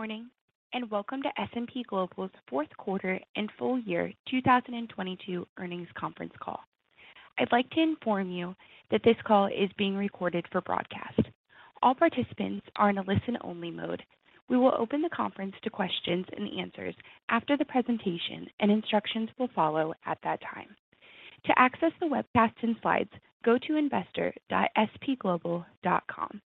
Good morning, welcome to S&P Global's fourth quarter and full year 2022 earnings conference call. I'd like to inform you that this call is being recorded for broadcast. All participants are in a listen-only mode. We will open the conference to questions and answers after the presentation, and instructions will follow at that time. To access the webcast and slides, go to investor.spglobal.com.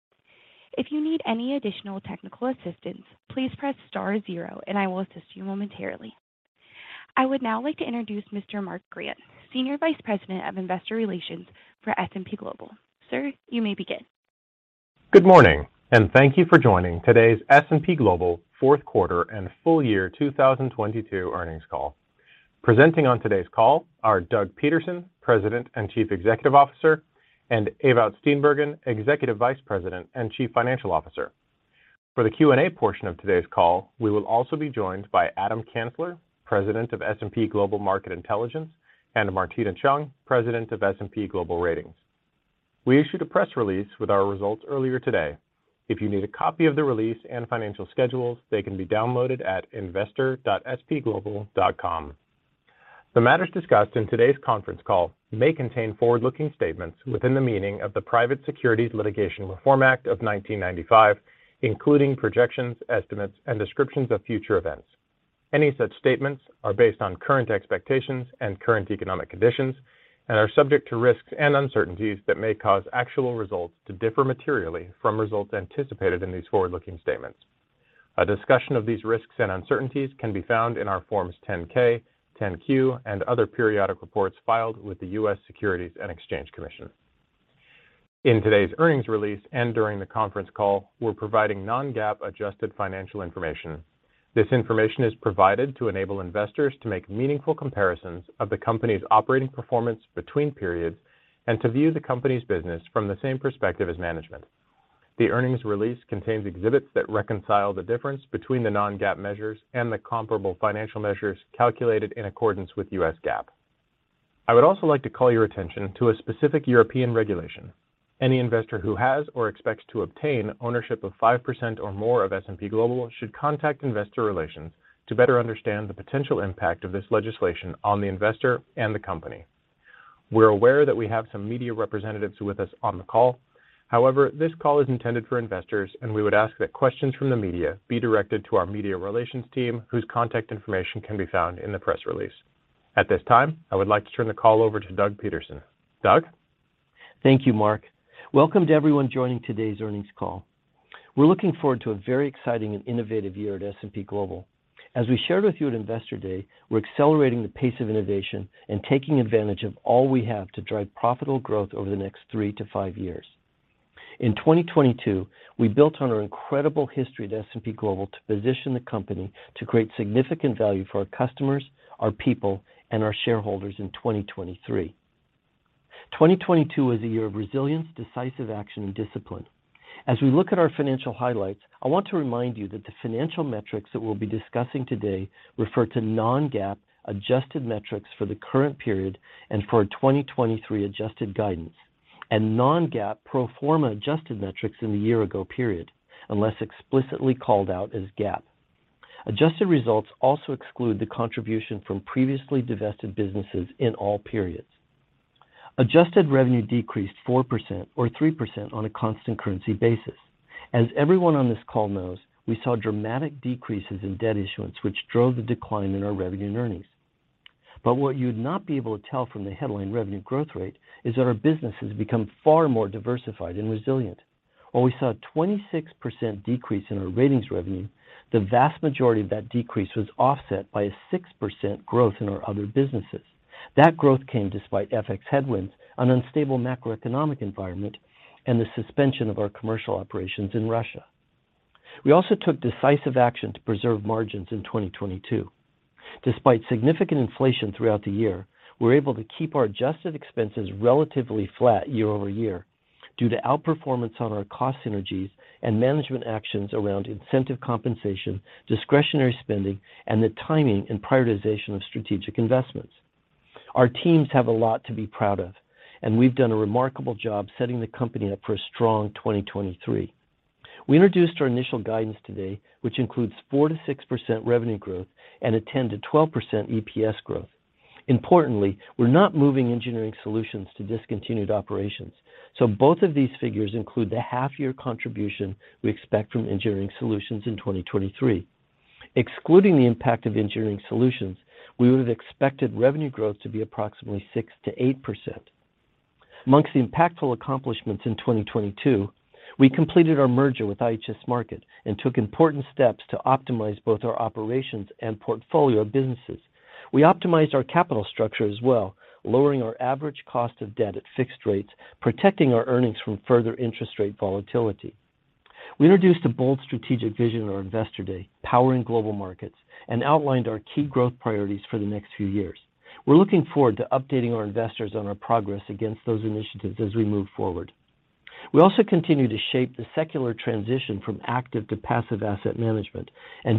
If you need any additional technical assistance, please press star zero and I will assist you momentarily. I would now like to introduce Mr. Mark Grant, Senior Vice President of Investor Relations for S&P Global. Sir, you may begin. Good morning. Thank you for joining today's S&P Global fourth quarter and full year 2022 earnings call. Presenting on today's call are Doug Peterson, President and Chief Executive Officer, and Ewout Steenbergen, Executive Vice President and Chief Financial Officer. For the Q&A portion of today's call, we will also be joined by Adam Kansler, President of S&P Global Market Intelligence, and Martina Cheung, President of S&P Global Ratings. We issued a press release with our results earlier today. If you need a copy of the release and financial schedules, they can be downloaded at investor.spglobal.com. The matters discussed in today's conference call may contain forward-looking statements within the meaning of the Private Securities Litigation Reform Act of 1995, including projections, estimates, and descriptions of future events. Any such statements are based on current expectations and current economic conditions and are subject to risks and uncertainties that may cause actual results to differ materially from results anticipated in these forward-looking statements. A discussion of these risks and uncertainties can be found in our Forms 10-K, 10-Q, and other periodic reports filed with the U.S. Securities and Exchange Commission. In today's earnings release and during the conference call, we're providing non-GAAP adjusted financial information. This information is provided to enable investors to make meaningful comparisons of the company's operating performance between periods and to view the company's business from the same perspective as management. The earnings release contains exhibits that reconcile the difference between the non-GAAP measures and the comparable financial measures calculated in accordance with U.S. GAAP. I would also like to call your attention to a specific European regulation. Any investor who has or expects to obtain ownership of 5% or more of S&P Global should contact Investor Relations to better understand the potential impact of this legislation on the investor and the company. We're aware that we have some media representatives with us on the call. This call is intended for investors, and we would ask that questions from the media be directed to our media relations team, whose contact information can be found in the press release. At this time, I would like to turn the call over to Doug Peterson. Doug. Thank you, Mark. Welcome to everyone joining today's earnings call. We're looking forward to a very exciting and innovative year at S&P Global. As we shared with you at Investor Day, we're accelerating the pace of innovation and taking advantage of all we have to drive profitable growth over the next three to five years. In 2022, we built on our incredible history at S&P Global to position the company to create significant value for our customers, our people, and our shareholders in 2023. 2022 was a year of resilience, decisive action, and discipline. As we look at our financial highlights, I want to remind you that the financial metrics that we'll be discussing today refer to non-GAAP adjusted metrics for the current period and for our 2023 adjusted guidance and non-GAAP pro forma adjusted metrics in the year ago period, unless explicitly called out as GAAP. Adjusted results also exclude the contribution from previously divested businesses in all periods. Adjusted revenue decreased 4% or 3% on a constant currency basis. As everyone on this call knows, we saw dramatic decreases in debt issuance, which drove the decline in our revenue and earnings. What you would not be able to tell from the headline revenue growth rate is that our business has become far more diversified and resilient. While we saw a 26% decrease in our Ratings revenue, the vast majority of that decrease was offset by a 6% growth in our other businesses. That growth came despite FX headwinds, an unstable macroeconomic environment, and the suspension of our commercial operations in Russia. We also took decisive action to preserve margins in 2022. Despite significant inflation throughout the year, we were able to keep our adjusted expenses relatively flat year-over-year due to outperformance on our cost synergies and management actions around incentive compensation, discretionary spending, and the timing and prioritization of strategic investments. Our teams have a lot to be proud of, and we've done a remarkable job setting the company up for a strong 2023. We introduced our initial guidance today, which includes 4%-6% revenue growth and a 10%-12% EPS growth. Importantly, we're not moving Engineering Solutions to discontinued operations, so both of these figures include the half year contribution we expect from Engineering Solutions in 2023. Excluding the impact of Engineering Solutions, we would have expected revenue growth to be approximately 6%-8%. Amongst the impactful accomplishments in 2022, we completed our merger with IHS Markit and took important steps to optimize both our operations and portfolio of businesses. We optimized our capital structure as well, lowering our average cost of debt at fixed rates, protecting our earnings from further interest rate volatility. We introduced a bold strategic vision at our Investor Day, Powering Global Markets, and outlined our key growth priorities for the next few years. We're looking forward to updating our investors on our progress against those initiatives as we move forward. We also continue to shape the secular transition from active to passive asset management,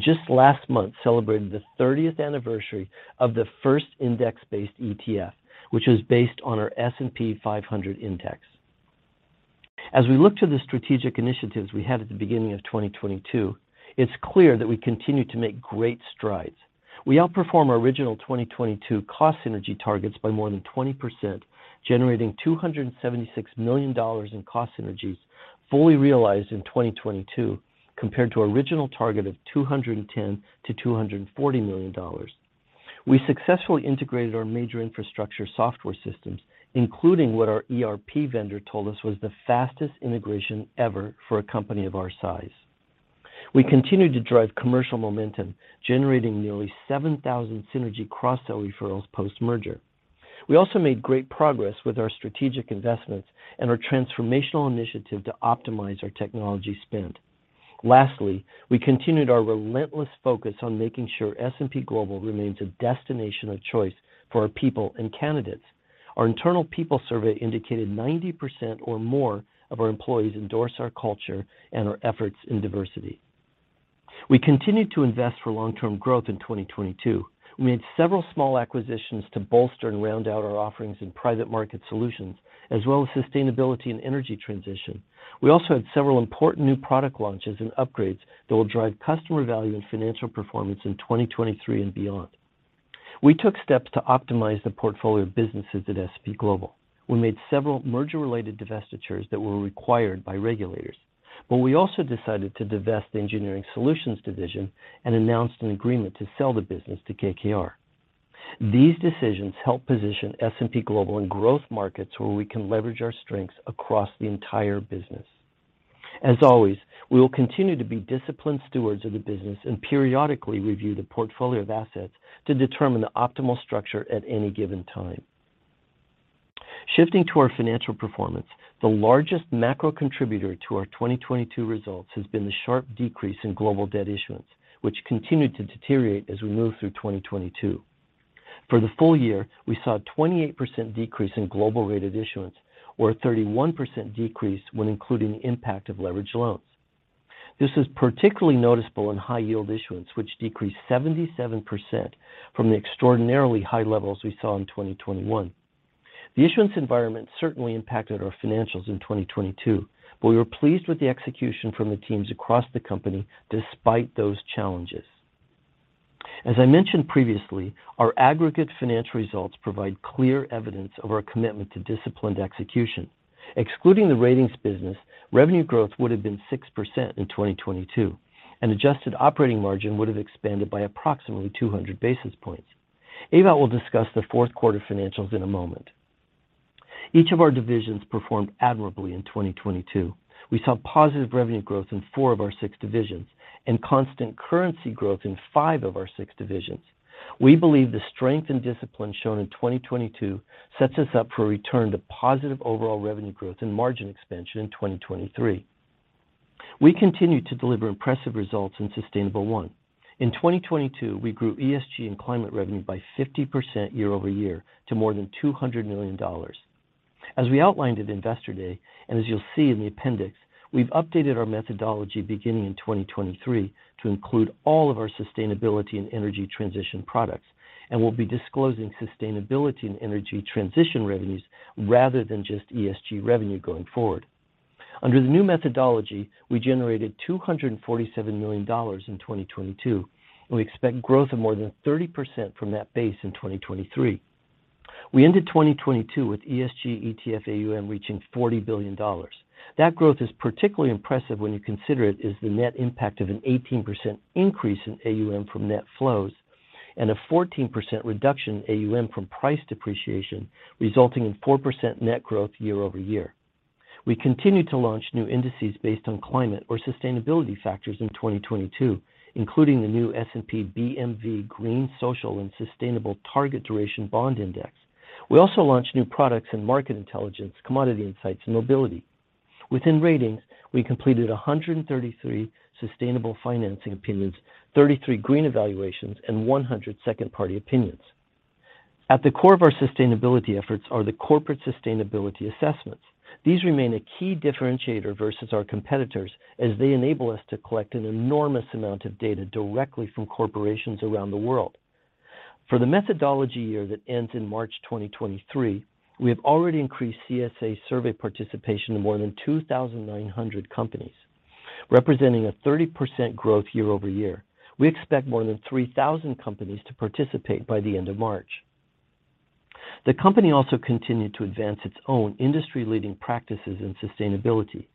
just last month celebrated the 30th anniversary of the first index-based ETF, which was based on our S&P 500 index. As we look to the strategic initiatives we had at the beginning of 2022, it's clear that we continue to make great strides. We outperform our original 2022 cost synergy targets by more than 20%, generating $276 million in cost synergies fully realized in 2022 compared to original target of $210 million-$240 million. We successfully integrated our major infrastructure software systems, including what our ERP vendor told us was the fastest integration ever for a company of our size. We continued to drive commercial momentum, generating nearly 7,000 synergy cross-sell referrals post-merger. We also made great progress with our strategic investments and our transformational initiative to optimize our technology spend. Lastly, we continued our relentless focus on making sure S&P Global remains a destination of choice for our people and candidates. Our internal people survey indicated 90% or more of our employees endorse our culture and our efforts in diversity. We continued to invest for long-term growth in 2022. We made several small acquisitions to bolster and round out our offerings in private market solutions, as well as sustainability and energy transition. We also had several important new product launches and upgrades that will drive customer value and financial performance in 2023 and beyond. We took steps to optimize the portfolio of businesses at S&P Global. We made several merger-related divestitures that were required by regulators, but we also decided to divest the engineering solutions division and announced an agreement to sell the business to KKR. These decisions help position S&P Global in growth markets where we can leverage our strengths across the entire business. As always, we will continue to be disciplined stewards of the business and periodically review the portfolio of assets to determine the optimal structure at any given time. Shifting to our financial performance, the largest macro contributor to our 2022 results has been the sharp decrease in global debt issuance, which continued to deteriorate as we move through 2022. For the full year, we saw a 28% decrease in global rated issuance or a 31% decrease when including the impact of leveraged loans. This is particularly noticeable in high yield issuance, which decreased 77% from the extraordinarily high levels we saw in 2021. The issuance environment certainly impacted our financials in 2022, but we were pleased with the execution from the teams across the company despite those challenges. As I mentioned previously, our aggregate financial results provide clear evidence of our commitment to disciplined execution. Excluding the ratings business, revenue growth would have been 6% in 2022, and adjusted operating margin would have expanded by approximately 200 basis points. Ewout will discuss the fourth quarter financials in a moment. Each of our divisions performed admirably in 2022. We saw positive revenue growth in four of our six divisions and constant currency growth in five of our six divisions. We believe the strength and discipline shown in 2022 sets us up for a return to positive overall revenue growth and margin expansion in 2023. We continue to deliver impressive results in Sustainable1. In 2022, we grew ESG and climate revenue by 50% year-over-year to more than $200 million. As we outlined at Investor Day, and as you'll see in the appendix, we've updated our methodology beginning in 2023 to include all of our sustainability and energy transition products, and we'll be disclosing sustainability and energy transition revenues rather than just ESG revenue going forward. Under the new methodology, we generated $247 million in 2022, and we expect growth of more than 30% from that base in 2023. We ended 2022 with ESG ETF AUM reaching $40 billion. That growth is particularly impressive when you consider it is the net impact of an 18% increase in AUM from net flows and a 14% reduction in AUM from price depreciation, resulting in 4% net growth year-over-year. We continued to launch new indices based on climate or sustainability factors in 2022, including the new S&P/BMV Green, Social and Sustainable Target Duration Bond Index. We also launched new products in Market Intelligence, Commodity Insights, and Mobility. Within Ratings, we completed 133 sustainable financing opinions, 33 green evaluations, and 100 second-party opinions. At the core of our sustainability efforts are the Corporate Sustainability Assessments. These remain a key differentiator versus our competitors as they enable us to collect an enormous amount of data directly from corporations around the world. For the methodology year that ends in March 2023, we have already increased CSA survey participation to more than 2,900 companies, representing a 30% growth year-over-year. We expect more than 3,000 companies to participate by the end of March. The company also continued to advance its own industry-leading practices in sustainability.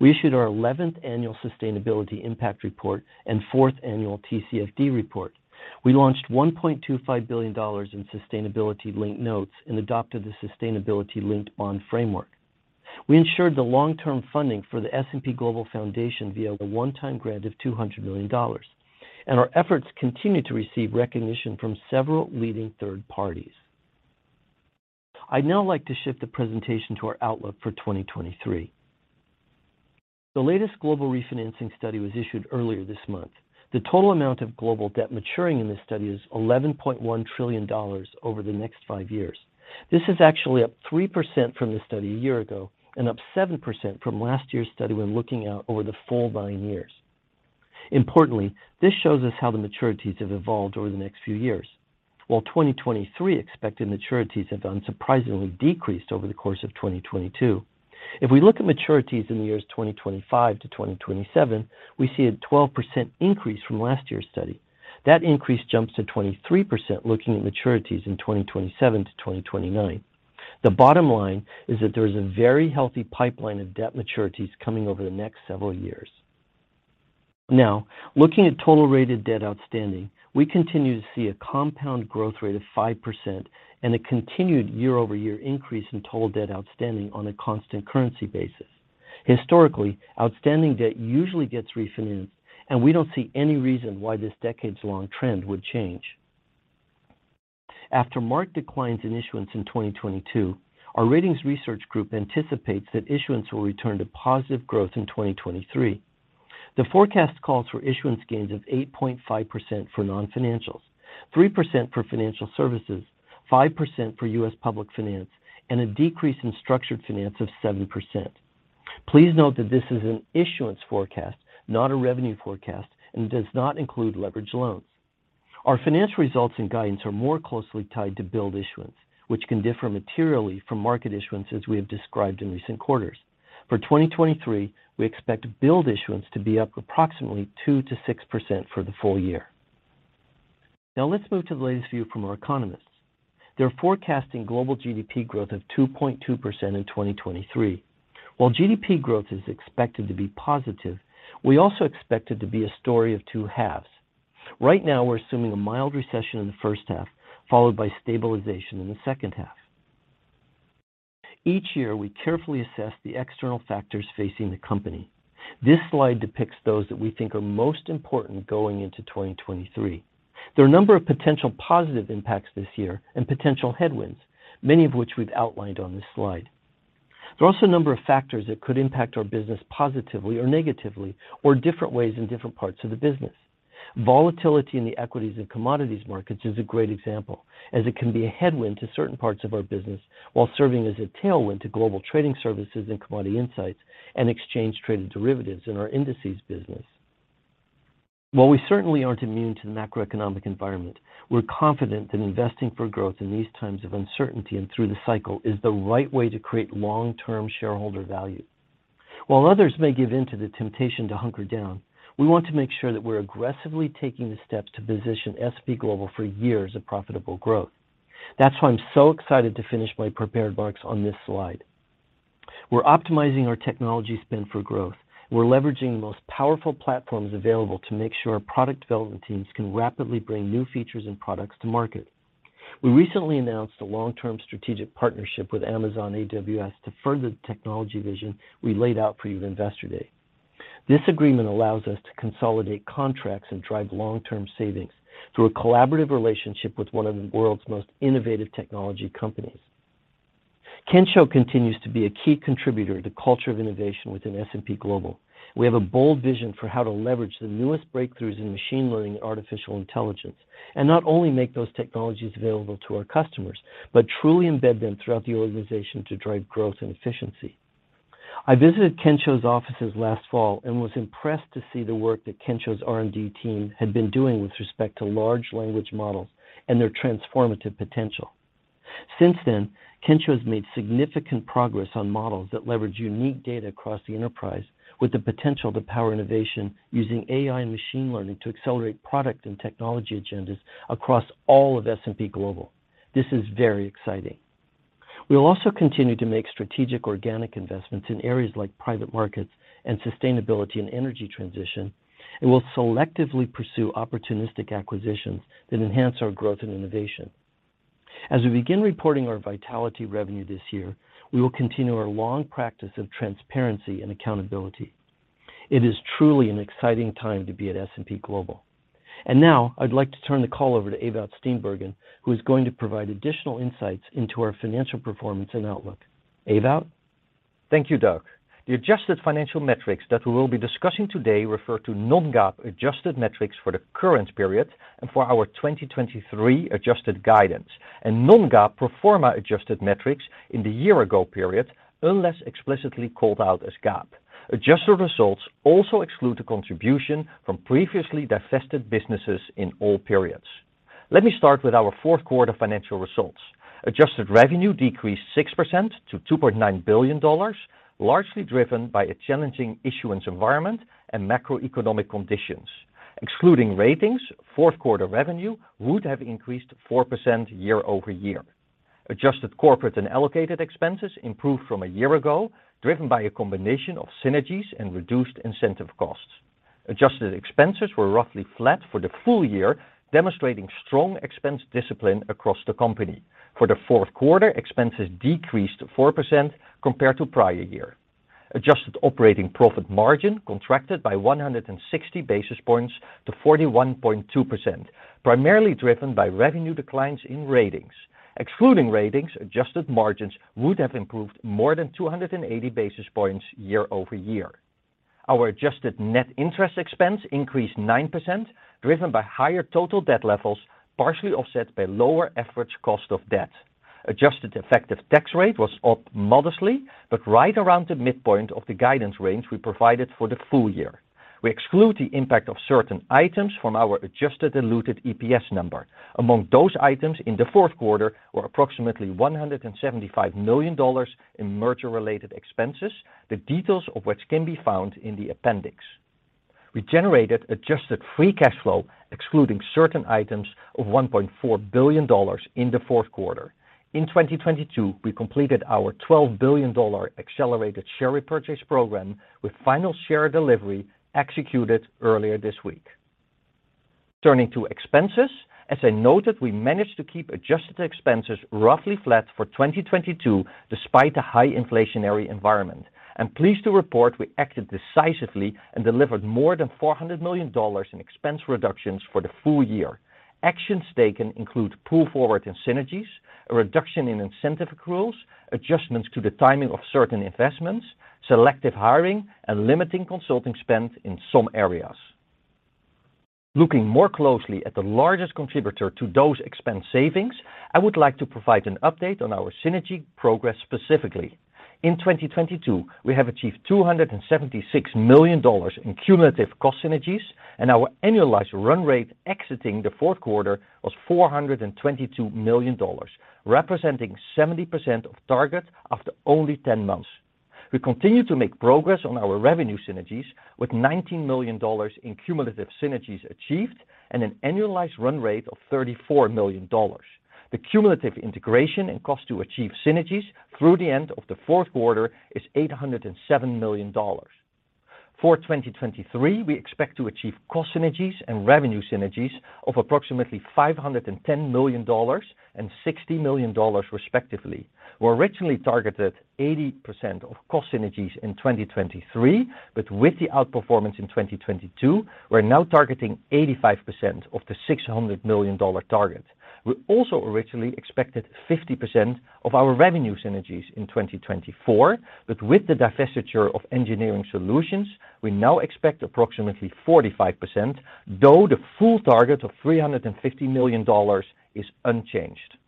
We issued our 11th annual sustainability impact report and 4th annual TCFD report. We launched $1.25 billion in sustainability-linked notes and adopted the sustainability-linked bond framework. We ensured the long-term funding for the S&P Global Foundation via a one-time grant of $200 million. Our efforts continue to receive recognition from several leading third parties. I'd now like to shift the presentation to our outlook for 2023. The latest global refinancing study was issued earlier this month. The total amount of global debt maturing in this study is $11.1 trillion over the next 5 years. This is actually up 3% from the study a year ago and up 7% from last year's study when looking out over the full nine years. Importantly, this shows us how the maturities have evolved over the next few years. While 2023 expected maturities have unsurprisingly decreased over the course of 2022, if we look at maturities in the years 2025-2027, we see a 12% increase from last year's study. That increase jumps to 23% looking at maturities in 2027-2029. The bottom line is that there is a very healthy pipeline of debt maturities coming over the next several years. Looking at total rated debt outstanding, we continue to see a compound growth rate of 5% and a continued year-over-year increase in total debt outstanding on a constant currency basis. Historically, outstanding debt usually gets refinanced, and we don't see any reason why this decades-long trend would change. After marked declines in issuance in 2022, our ratings research group anticipates that issuance will return to positive growth in 2023. The forecast calls for issuance gains of 8.5% for non-financials, 3% for financial services, 5% for U.S. public finance, and a decrease in structured finance of 7%. Please note that this is an issuance forecast, not a revenue forecast, and does not include leverage loans. Our financial results and guidance are more closely tied to billed issuance, which can differ materially from market issuance as we have described in recent quarters. For 2023, we expect billed issuance to be up approximately 2%-6% for the full year. Let's move to the latest view from our economists. They're forecasting global GDP growth of 2.2% in 2023. While GDP growth is expected to be positive, we also expect it to be a story of two halves. Right now we're assuming a mild recession in the first half, followed by stabilization in the second half. Each year, we carefully assess the external factors facing the company. This slide depicts those that we think are most important going into 2023. There are a number of potential positive impacts this year and potential headwinds, many of which we've outlined on this slide. There are also a number of factors that could impact our business positively or negatively, or different ways in different parts of the business. Volatility in the equities and commodities markets is a great example, as it can be a headwind to certain parts of our business while serving as a tailwind to global trading services and commodity insights and exchange traded derivatives in our indices business. While we certainly aren't immune to the macroeconomic environment, we're confident that investing for growth in these times of uncertainty and through the cycle is the right way to create long-term shareholder value. While others may give in to the temptation to hunker down, we want to make sure that we're aggressively taking the steps to position S&P Global for years of profitable growth. That's why I'm so excited to finish my prepared remarks on this slide. We're optimizing our technology spend for growth. We're leveraging the most powerful platforms available to make sure our product development teams can rapidly bring new features and products to market. We recently announced a long-term strategic partnership with Amazon AWS to further the technology vision we laid out for you at Investor Day. This agreement allows us to consolidate contracts and drive long-term savings through a collaborative relationship with one of the world's most innovative technology companies. Kensho continues to be a key contributor to culture of innovation within S&P Global. We have a bold vision for how to leverage the newest breakthroughs in machine learning and artificial intelligence, and not only make those technologies available to our customers, but truly embed them throughout the organization to drive growth and efficiency. I visited Kensho's offices last fall and was impressed to see the work that Kensho's R&D team had been doing with respect to large language models and their transformative potential. Since then, Kensho has made significant progress on models that leverage unique data across the enterprise with the potential to power innovation using AI and machine learning to accelerate product and technology agendas across all of S&P Global. This is very exciting. We will also continue to make strategic organic investments in areas like private markets and sustainability and energy transition, and we'll selectively pursue opportunistic acquisitions that enhance our growth and innovation. As we begin reporting our Vitality revenue this year, we will continue our long practice of transparency and accountability. It is truly an exciting time to be at S&P Global. Now I'd like to turn the call over to Ewout Steenbergen, who is going to provide additional insights into our financial performance and outlook. Ewout? Thank you, Doug. The adjusted financial metrics that we will be discussing today refer to non-GAAP adjusted metrics for the current period and for our 2023 adjusted guidance and non-GAAP pro forma adjusted metrics in the year ago period, unless explicitly called out as GAAP. Adjusted results also exclude the contribution from previously divested businesses in all periods. Let me start with our fourth quarter financial results. Adjusted revenue decreased 6% to $2.9 billion, largely driven by a challenging issuance environment and macroeconomic conditions. Excluding Ratings, fourth quarter revenue would have increased 4% year-over-year. Adjusted corporate and allocated expenses improved from a year ago, driven by a combination of synergies and reduced incentive costs. Adjusted expenses were roughly flat for the full year, demonstrating strong expense discipline across the company. For the fourth quarter, expenses decreased 4% compared to prior year. Adjusted operating profit margin contracted by 160 basis points to 41.2%, primarily driven by revenue declines in Ratings. Excluding Ratings, adjusted margins would have improved more than 280 basis points year-over-year. Our adjusted net interest expense increased 9%, driven by higher total debt levels, partially offset by lower average cost of debt. Adjusted effective tax rate was up modestly, but right around the midpoint of the guidance range we provided for the full year. We exclude the impact of certain items from our adjusted diluted EPS number. Among those items in the fourth quarter were approximately $175 million in merger-related expenses, the details of which can be found in the appendix. We generated adjusted free cash flow, excluding certain items of $1.4 billion in the fourth quarter. In 2022, we completed our $12 billion accelerated share repurchase program with final share delivery executed earlier this week. Turning to expenses, as I noted, we managed to keep adjusted expenses roughly flat for 2022 despite the high inflationary environment. I'm pleased to report we acted decisively and delivered more than $400 million in expense reductions for the full year. Actions taken include pull forward in synergies, a reduction in incentive accruals, adjustments to the timing of certain investments, selective hiring, and limiting consulting spend in some areas. Looking more closely at the largest contributor to those expense savings, I would like to provide an update on our synergy progress specifically. In 2022, we have achieved $276 million in cumulative cost synergies, and our annualized run rate exiting the fourth quarter was $422 million, representing 70% of target after only 10 months. We continue to make progress on our revenue synergies with $19 million in cumulative synergies achieved and an annualized run rate of $34 million. The cumulative integration and cost to achieve synergies through the end of the fourth quarter is $807 million. For 2023, we expect to achieve cost synergies and revenue synergies of approximately $510 million and $60 million, respectively. We originally targeted 80% of cost synergies in 2023, but with the outperformance in 2022, we're now targeting 85% of the $600 million target. We also originally expected 50% of our revenue synergies in 2024, with the divestiture of engineering solutions, we now expect approximately 45%, though the full target of $350 million is unchanged.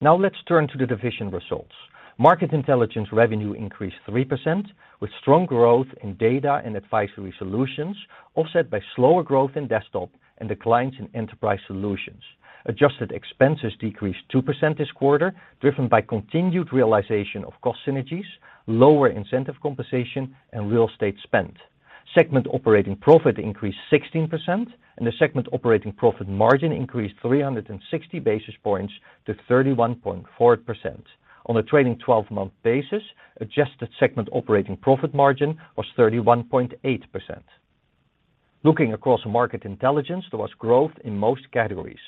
Let's turn to the division results. Market Intelligence revenue increased 3% with strong growth in data and advisory solutions, offset by slower growth in desktop and declines in enterprise solutions. Adjusted expenses decreased 2% this quarter, driven by continued realization of cost synergies, lower incentive compensation, and real estate spend. Segment operating profit increased 16%, the segment operating profit margin increased 360 basis points to 31.4%. On a trailing 12-month basis, adjusted segment operating profit margin was 31.8%. Looking across Market Intelligence, there was growth in most categories.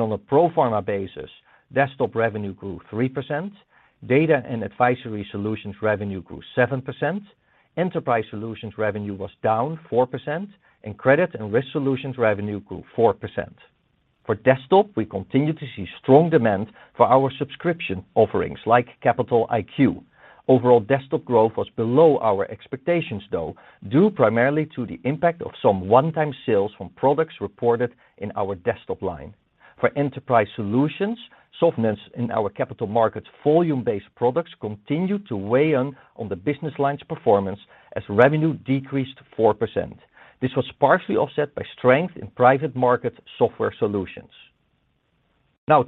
On a pro forma basis, desktop revenue grew 3%, data and advisory solutions revenue grew 7%, enterprise solutions revenue was down 4%, and credit and risk solutions revenue grew 4%. For desktop, we continue to see strong demand for our subscription offerings like Capital IQ. Overall desktop growth was below our expectations, though, due primarily to the impact of some one-time sales from products reported in our desktop line. For enterprise solutions, softness in our capital markets volume-based products continued to weigh in on the business line's performance as revenue decreased 4%. This was partially offset by strength in private market software solutions.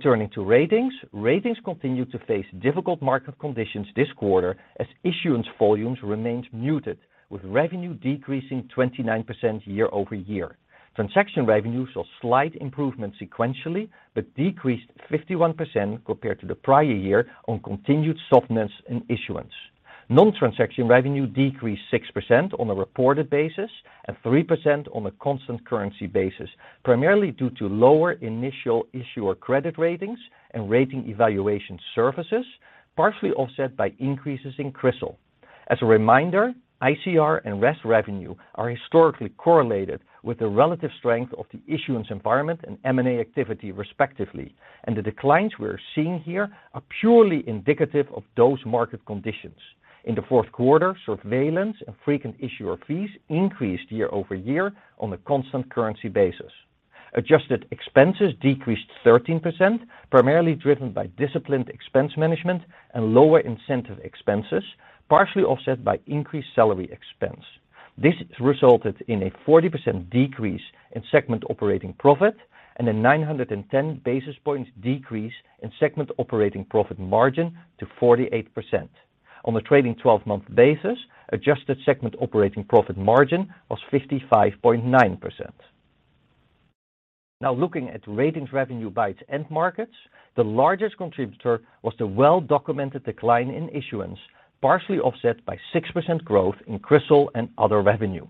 Turning to ratings. Ratings continued to face difficult market conditions this quarter as issuance volumes remained muted with revenue decreasing 29% year-over-year. Transaction revenue saw slight improvement sequentially, but decreased 51% compared to the prior year on continued softness in issuance. Non-transaction revenue decreased 6% on a reported basis and 3% on a constant currency basis, primarily due to lower initial issuer credit ratings and rating evaluation services, partially offset by increases in Crystal. As a reminder, ICR and RES revenue are historically correlated with the relative strength of the issuance environment and M&A activity, respectively. The declines we're seeing here are purely indicative of those market conditions. In the fourth quarter, surveillance and frequent issuer fees increased year-over-year on a constant currency basis. Adjusted expenses decreased 13%, primarily driven by disciplined expense management and lower incentive expenses, partially offset by increased salary expense. This resulted in a 40% decrease in segment operating profit and a 910 basis points decrease in segment operating profit margin to 48%. On a trailing 12-month basis, adjusted segment operating profit margin was 55.9%. Now looking at Ratings revenue by its end markets, the largest contributor was the well-documented decline in issuance, partially offset by 6% growth in Crystal and other revenue.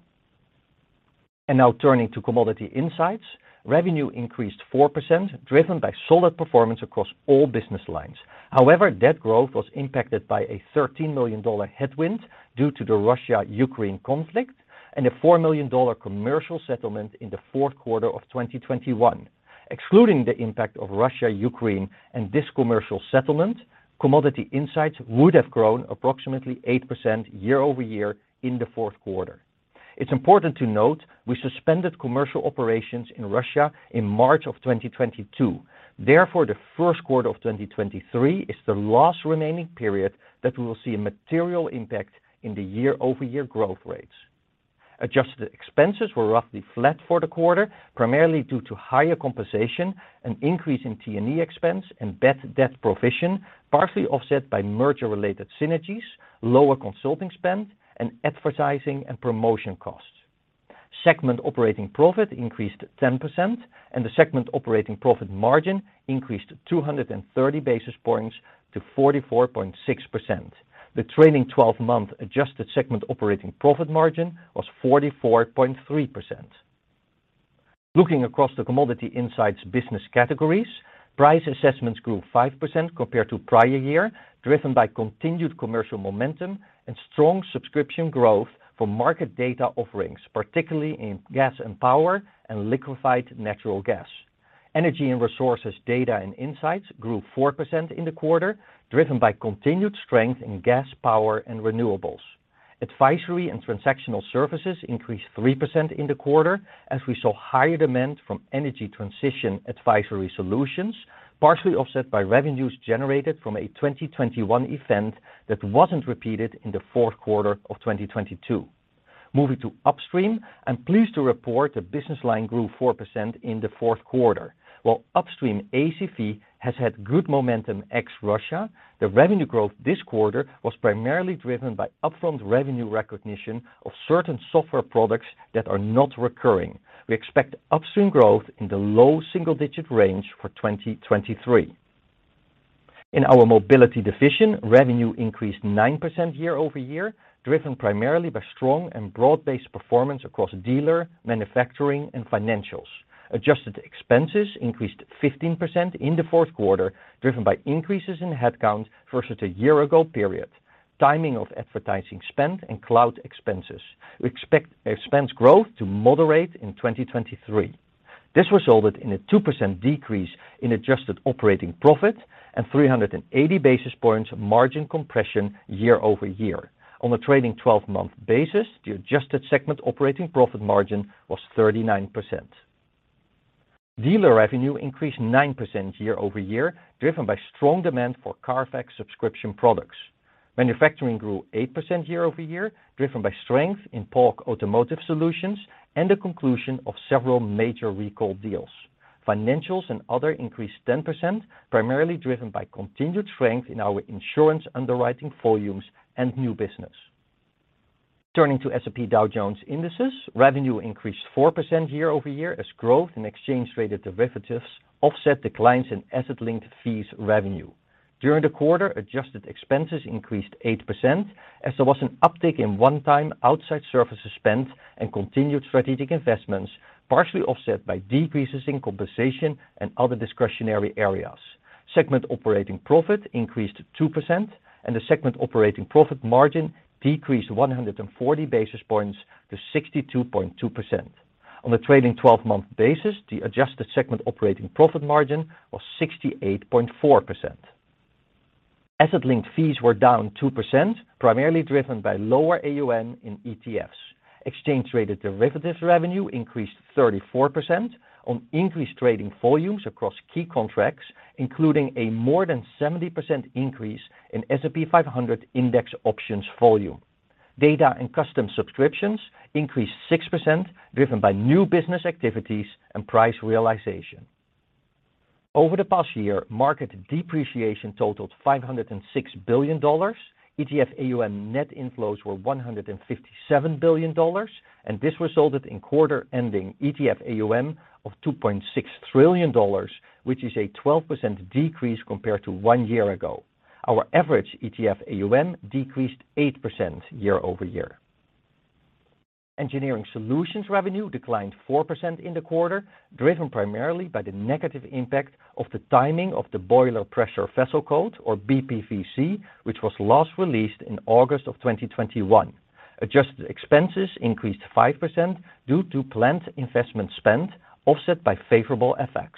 Now turning to commodity insights. Revenue increased 4%, driven by solid performance across all business lines. However, debt growth was impacted by a $13 million headwind due to the Russia-Ukraine conflict and a $4 million commercial settlement in the fourth quarter of 2021. Excluding the impact of Russia-Ukraine and this commercial settlement, commodity insights would have grown approximately 8% year-over-year in the fourth quarter. It's important to note we suspended commercial operations in Russia in March of 2022. Therefore, the first quarter of 2023 is the last remaining period that we will see a material impact in the year-over-year growth rates. Adjusted expenses were roughly flat for the quarter, primarily due to higher compensation and increase in T&E expense and bad debt provision, partially offset by merger-related synergies, lower consulting spend, and advertising and promotion costs. Segment operating profit increased 10% and the segment operating profit margin increased 230 basis points to 44.6%. The trailing twelve-month adjusted segment operating profit margin was 44.3%. Looking across the commodity insights business categories, price assessments grew 5% compared to prior year, driven by continued commercial momentum and strong subscription growth for market data offerings, particularly in gas and power and liquefied natural gas. Energy and resources data and insights grew 4% in the quarter, driven by continued strength in gas, power, and renewables. Advisory and transactional services increased 3% in the quarter as we saw higher demand from energy transition advisory solutions, partially offset by revenues generated from a 2021 event that wasn't repeated in the fourth quarter of 2022. Moving to upstream, I'm pleased to report the business line grew 4% in the fourth quarter. While upstream ACV has had good momentum ex Russia, the revenue growth this quarter was primarily driven by upfront revenue recognition of certain software products that are not recurring. We expect upstream growth in the low single-digit range for 2023. In our mobility division, revenue increased 9% year-over-year, driven primarily by strong and broad-based performance across dealer, manufacturing, and financials. Adjusted expenses increased 15% in the fourth quarter, driven by increases in headcount versus a year ago period, timing of advertising spend and cloud expenses. We expect expense growth to moderate in 2023. This resulted in a 2% decrease in adjusted operating profit and 380 basis points margin compression year-over-year. On a trailing twelve-month basis, the adjusted segment operating profit margin was 39%. Dealer revenue increased 9% year-over-year, driven by strong demand for CARFAX subscription products. Manufacturing grew 8% year-over-year, driven by strength in Polk Automotive Solutions and the conclusion of several major recall deals. Financials and other increased 10%, primarily driven by continued strength in our insurance underwriting volumes and new business. Turning to S&P Dow Jones Indices, revenue increased 4% year-over-year as growth in exchange-traded derivatives offset declines in asset-linked fees revenue. During the quarter, adjusted expenses increased 8% as there was an uptick in one-time outside services spent and continued strategic investments, partially offset by decreases in compensation and other discretionary areas. Segment operating profit increased 2% and the segment operating profit margin decreased 140 basis points to 62.2%. On the trailing 12-month basis, the adjusted segment operating profit margin was 68.4%. Asset-linked fees were down 2%, primarily driven by lower AUM in ETFs. Exchange-traded derivatives revenue increased 34% on increased trading volumes across key contracts, including a more than 70% increase in S&P 500 index options volume. Data and custom subscriptions increased 6% driven by new business activities and price realization. Over the past year, market depreciation totaled $506 billion. ETF AUM net inflows were $157 billion, and this resulted in quarter-ending ETF AUM of $2.6 trillion, which is a 12% decrease compared to one year ago. Our average ETF AUM decreased 8% year-over-year. Engineering solutions revenue declined 4% in the quarter, driven primarily by the negative impact of the timing of the Boiler and Pressure Vessel Code, or BPVC, which was last released in August of 2021. Adjusted expenses increased 5% due to planned investment spend offset by favorable FX.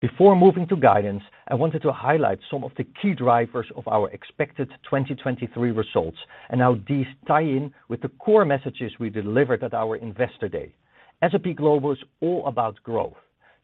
Before moving to guidance, I wanted to highlight some of the key drivers of our expected 2023 results and how these tie in with the core messages we delivered at our Investor Day. S&P Global is all about growth.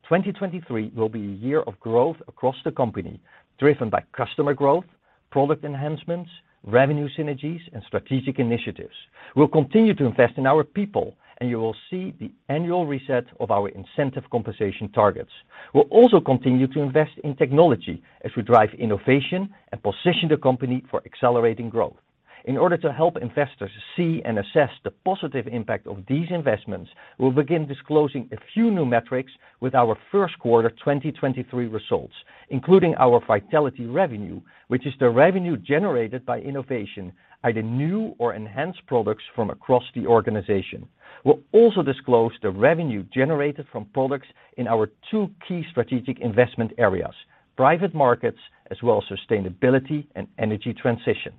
2023 will be a year of growth across the company, driven by customer growth, product enhancements, revenue synergies, and strategic initiatives. We'll continue to invest in our people, and you will see the annual reset of our incentive compensation targets. We'll also continue to invest in technology as we drive innovation and position the company for accelerating growth. In order to help investors see and assess the positive impact of these investments, we'll begin disclosing a few new metrics with our first quarter 2023 results, including our Vitality revenue, which is the revenue generated by innovation, either new or enhanced products from across the organization. We'll also disclose the revenue generated from products in our two key strategic investment areas, private markets as well as sustainability and energy transition.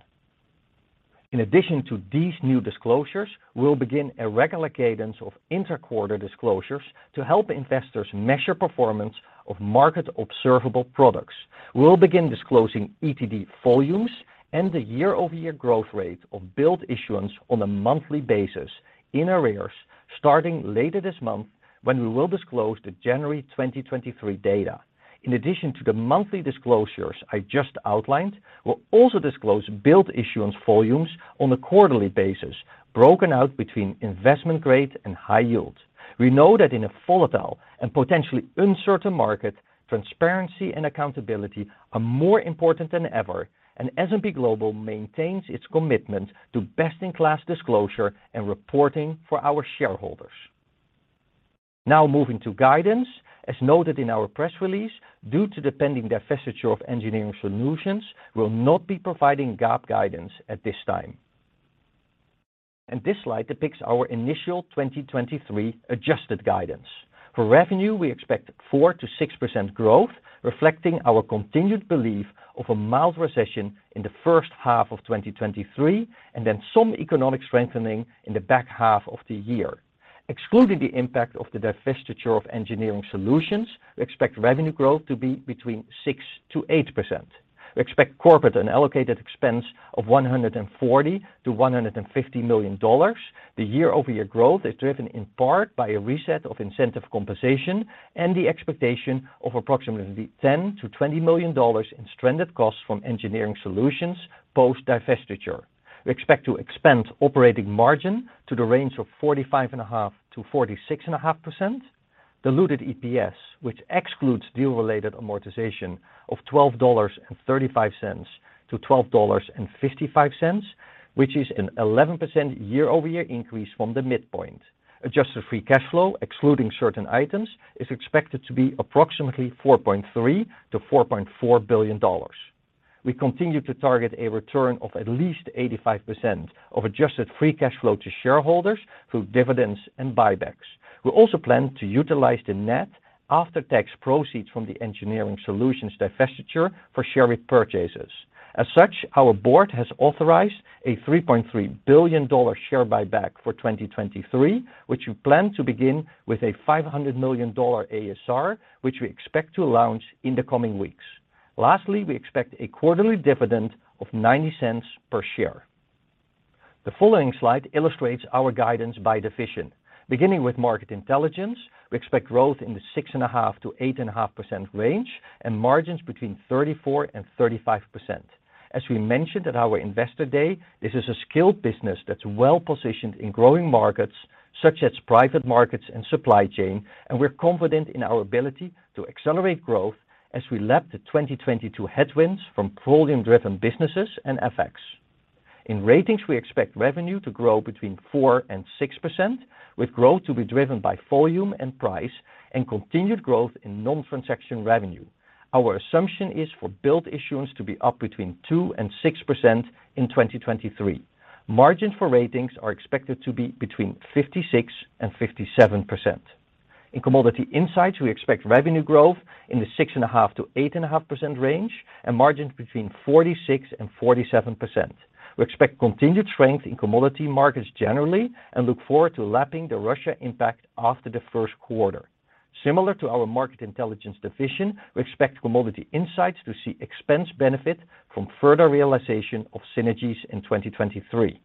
In addition to these new disclosures, we'll begin a regular cadence of inter-quarter disclosures to help investors measure performance of market observable products. We'll begin disclosing ETD volumes and the year-over-year growth rate of billed issuance on a monthly basis in arrears. Starting later this month, when we will disclose the January 2023 data. In addition to the monthly disclosures I just outlined, we'll also disclose billed issuance volumes on a quarterly basis, broken out between investment grade and high yield. We know that in a volatile and potentially uncertain market, transparency and accountability are more important than ever. S&P Global maintains its commitment to best-in-class disclosure and reporting for our shareholders. Moving to guidance. As noted in our press release, due to the pending divestiture of Engineering Solutions, we'll not be providing GAAP guidance at this time. This slide depicts our initial 2023 adjusted guidance. For revenue, we expect 4%-6% growth, reflecting our continued belief of a mild recession in the first half of 2023, and then some economic strengthening in the back half of the year. Excluding the impact of the divestiture of Engineering Solutions, we expect revenue growth to be between 6%-8%. We expect corporate and allocated expense of $140 million-$150 million. The year-over-year growth is driven in part by a reset of incentive compensation and the expectation of approximately $10 million-$20 million in stranded costs from Engineering Solutions post-divestiture. We expect to expand operating margin to the range of 45.5%-46.5%. Diluted EPS, which excludes deal-related amortization of $12.35-$12.55, which is an 11% year-over-year increase from the midpoint. Adjusted free cash flow, excluding certain items, is expected to be approximately $4.3 billion-$4.4 billion. We continue to target a return of at least 85% of adjusted free cash flow to shareholders through dividends and buybacks. We also plan to utilize the net after-tax proceeds from the Engineering Solutions divestiture for share repurchases. As such, our board has authorized a $3.3 billion share buyback for 2023, which we plan to begin with a $500 million ASR, which we expect to launch in the coming weeks. Lastly, we expect a quarterly dividend of $0.90 per share. The following slide illustrates our guidance by division. Beginning with Market Intelligence, we expect growth in the 6.5%-8.5% range and margins between 34%-35%. As we mentioned at our Investor Day, this is a skilled business that's well positioned in growing markets such as private markets and supply chain, and we're confident in our ability to accelerate growth as we lap the 2022 headwinds from volume-driven businesses and FX. In Ratings, we expect revenue to grow between 4%-6%, with growth to be driven by volume and price and continued growth in non-transaction revenue. Our assumption is for build issuance to be up between 2%-6% in 2023. Margins for Ratings are expected to be between 56%-57%. In Commodity Insights, we expect revenue growth in the 6.5%-8.5% range and margins between 46%-47%. We expect continued strength in commodity markets generally and look forward to lapping the Russia impact after the first quarter. Similar to our Market Intelligence division, we expect Commodity Insights to see expense benefit from further realization of synergies in 2023.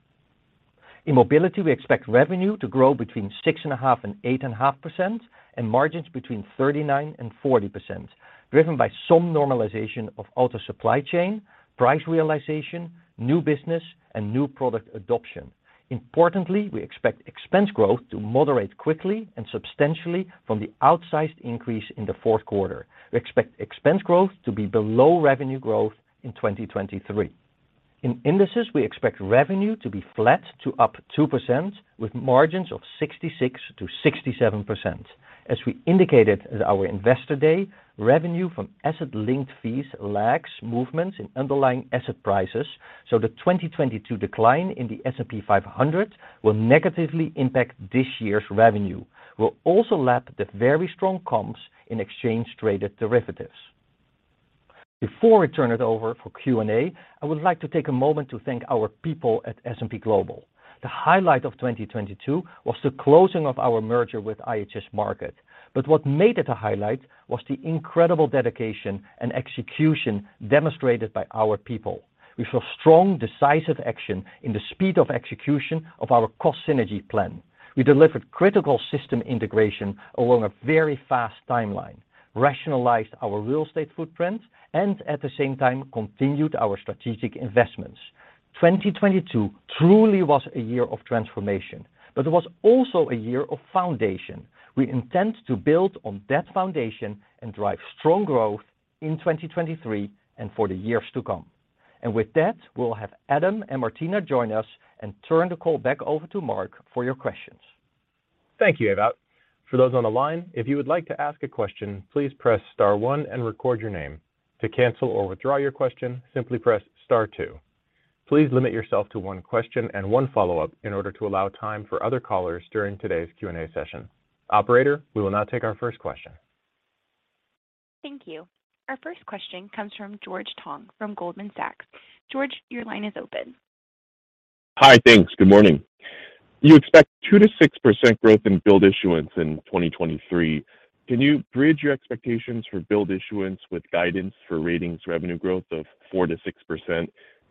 In Mobility, we expect revenue to grow between 6.5% and 8.5% and margins between 39% and 40%, driven by some normalization of auto supply chain, price realization, new business, and new product adoption. Importantly, we expect expense growth to moderate quickly and substantially from the outsized increase in the fourth quarter. We expect expense growth to be below revenue growth in 2023. In Indices, we expect revenue to be flat to up 2%, with margins of 66%-67%. We indicated at our Investor Day, revenue from asset-linked fees lags movements in underlying asset prices, so the 2022 decline in the S&P 500 will negatively impact this year's revenue. We'll also lap the very strong comps in exchange traded derivatives. Before I turn it over for Q&A, I would like to take a moment to thank our people at S&P Global. The highlight of 2022 was the closing of our merger with IHS Markit, what made it a highlight was the incredible dedication and execution demonstrated by our people. We saw strong, decisive action in the speed of execution of our cost synergy plan. We delivered critical system integration along a very fast timeline, rationalized our real estate footprint, and at the same time, continued our strategic investments. 2022 truly was a year of transformation, but it was also a year of foundation. We intend to build on that foundation and drive strong growth in 2023 and for the years to come. We'll have Adam and Martina join us and turn the call back over to Mark for your questions. Thank you, Ewout. For those on the line, if you would like to ask a question, please press star one and record your name. To cancel or withdraw your question, simply press star two. Please limit yourself to one question and one follow-up in order to allow time for other callers during today's Q&A session. Operator, we will now take our first question. Thank you. Our first question comes from George Tong from Goldman Sachs. George, your line is open. Hi. Thanks. Good morning. You expect 2%-6% growth in build issuance in 2023. Can you bridge your expectations for build issuance with guidance for ratings revenue growth of 4%-6%,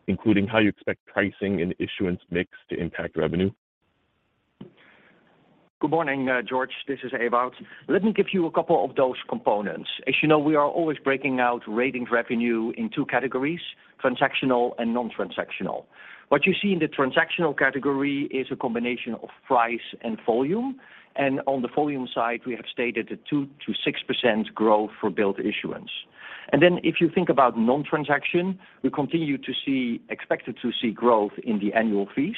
including how you expect pricing and issuance mix to impact revenue? Good morning, George. This is Ewout. Let me give you a couple of those components. As you know, we are always breaking out ratings revenue in two categories: transactional and non-transactional. What you see in the transactional category is a combination of price and volume, and on the volume side, we have stated a 2%-6% growth for build issuance. If you think about non-transaction, we continue to expect to see growth in the annual fees,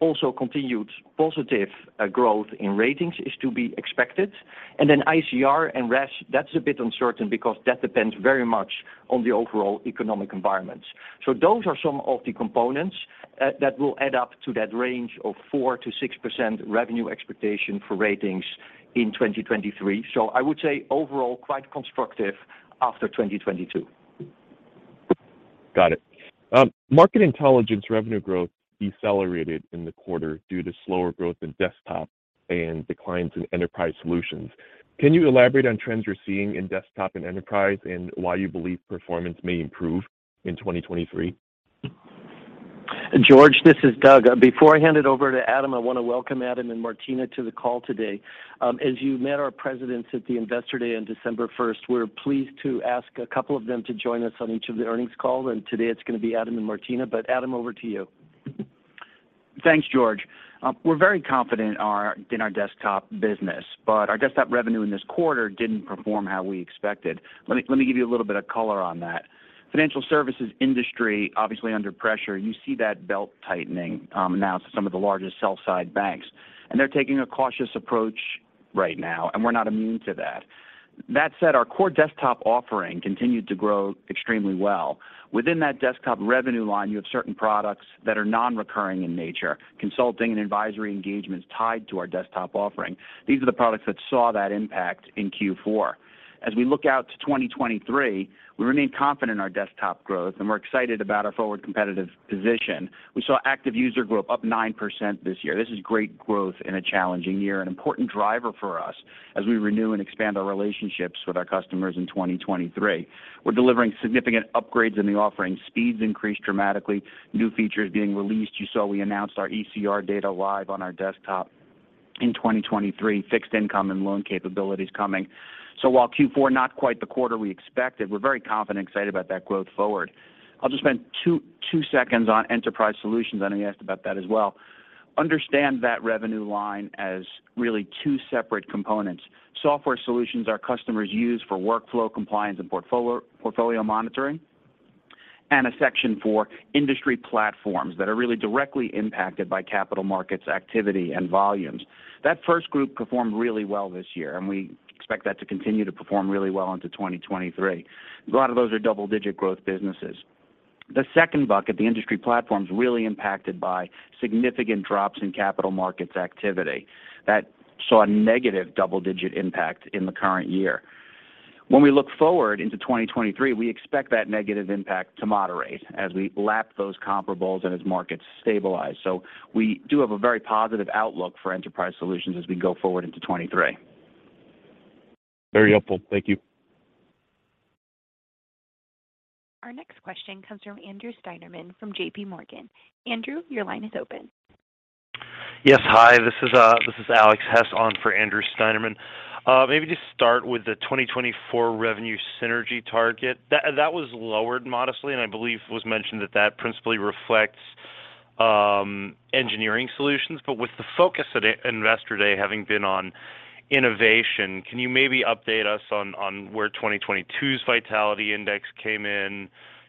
also continued positive growth in ratings is to be expected, and then ICR and RES, that's a bit uncertain because that depends very much on the overall economic environment. Those are some of the components that will add up to that range of 4%-6% revenue expectation for ratings in 2023. I would say overall, quite constructive after 2022. Got it. Market Intelligence revenue growth decelerated in the quarter due to slower growth in desktop and declines in enterprise solutions. Can you elaborate on trends you're seeing in desktop and enterprise and why you believe performance may improve in 2023? George, this is Doug. Before I hand it over to Adam, I want to welcome Adam and Martina to the call today. As you met our presidents at the Investor Day on December first, we're pleased to ask a couple of them to join us on each of the earnings calls, and today it's going to be Adam and Martina. Adam, over to you. Thanks, George. We're very confident in our desktop business, our desktop revenue in this quarter didn't perform how we expected. Let me give you a little bit of color on that. Financial services industry, obviously under pressure. You see that belt tightening now to some of the largest sell side banks. They're taking a cautious approach right now, and we're not immune to that. That said, our core desktop offering continued to grow extremely well. Within that desktop revenue line, you have certain products that are non-recurring in nature, consulting and advisory engagements tied to our desktop offering. These are the products that saw that impact in Q4. As we look out to 2023, we remain confident in our desktop growth, and we're excited about our forward competitive position. We saw active user growth up 9% this year. This is great growth in a challenging year, an important driver for us as we renew and expand our relationships with our customers in 2023. We're delivering significant upgrades in the offering, speeds increased dramatically, new features being released. You saw we announced our ECR data live on our desktop in 2023, fixed income and loan capabilities coming. While Q4 not quite the quarter we expected, we're very confident and excited about that growth forward. I'll just spend two seconds on enterprise solutions. I know you asked about that as well. Understand that revenue line as really two separate components. Software solutions our customers use for workflow compliance and portfolio monitoring, and a section for industry platforms that are really directly impacted by capital markets activity and volumes. That first group performed really well this year, and we expect that to continue to perform really well into 2023. A lot of those are double-digit growth businesses. The second bucket, the industry platforms, really impacted by significant drops in capital markets activity. That saw a negative double-digit impact in the current year. When we look forward into 2023, we expect that negative impact to moderate as we lap those comparables and as markets stabilize. We do have a very positive outlook for enterprise solutions as we go forward into 23. Very helpful. Thank you. Our next question comes from Andrew Steinerman from J.P. Morgan. Andrew, your line is open. Hi, this is Alex Hess on for Andrew Steinerman. Maybe just start with the 2024 revenue synergy target. That was lowered modestly, and I believe was mentioned that principally reflects engineering solutions. With the focus at Investor Day having been on innovation, can you maybe update us on where 2022's Vitality Index came in?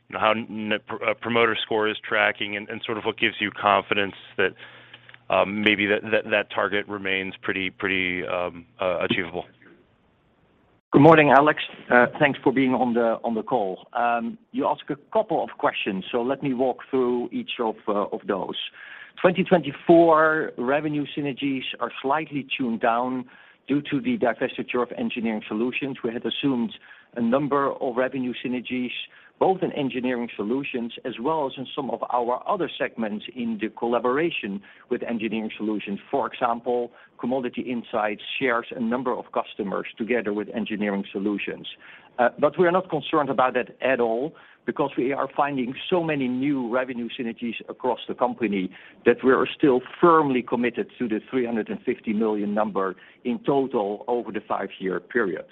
You know, how promoter score is tracking and sort of what gives you confidence that maybe that target remains pretty achievable. Good morning, Alex. Thanks for being on the call. You ask a couple of questions. Let me walk through each of those. 2024 revenue synergies are slightly tuned down due to the divestiture of Engineering Solutions. We had assumed a number of revenue synergies, both in Engineering Solutions as well as in some of our other segments in the collaboration with Engineering Solutions. For example, commodity insights shares a number of customers together with Engineering Solutions. But we are not concerned about that at all because we are finding so many new revenue synergies across the company that we are still firmly committed to the $350 million number in total over the 5-year period.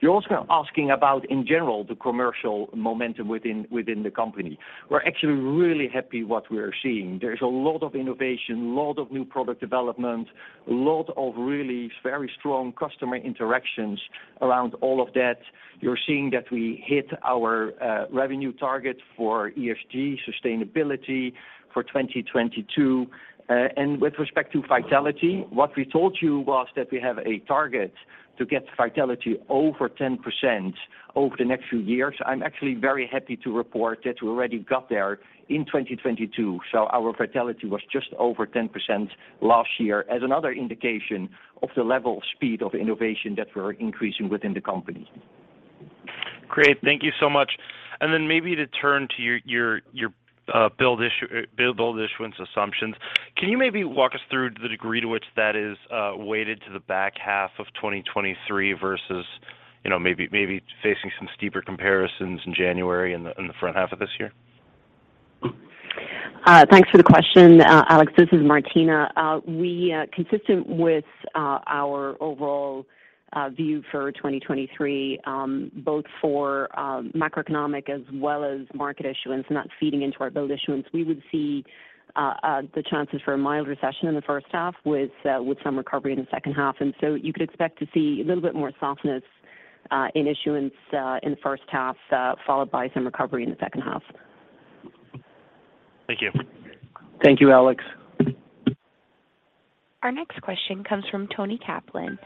You're also asking about, in general, the commercial momentum within the company. We're actually really happy what we're seeing. There's a lot of innovation, a lot of new product development, a lot of really very strong customer interactions around all of that. You're seeing that we hit our revenue target for ESG sustainability for 2022. With respect to Vitality, what we told you was that we have a target to get Vitality over 10% over the next few years. I'm actually very happy to report that we already got there in 2022. Our Vitality was just over 10% last year as another indication of the level of speed of innovation that we're increasing within the company. Great. Thank you so much. Maybe to turn to your build issuance assumptions. Can you maybe walk us through the degree to which that is weighted to the back half of 2023 versus, you know, maybe facing some steeper comparisons in January in the, in the front half of this year? Thanks for the question, Alex. This is Martina. We consistent with our overall view for 2023, both for macroeconomic as well as market issuance, and that's feeding into our build issuance. We would see the chances for a mild recession in the first half with some recovery in the second half. You could expect to see a little bit more softness in issuance in the first half, followed by some recovery in the second half. Thank you. Thank you, Alex. Our next question comes from Toni Kaplan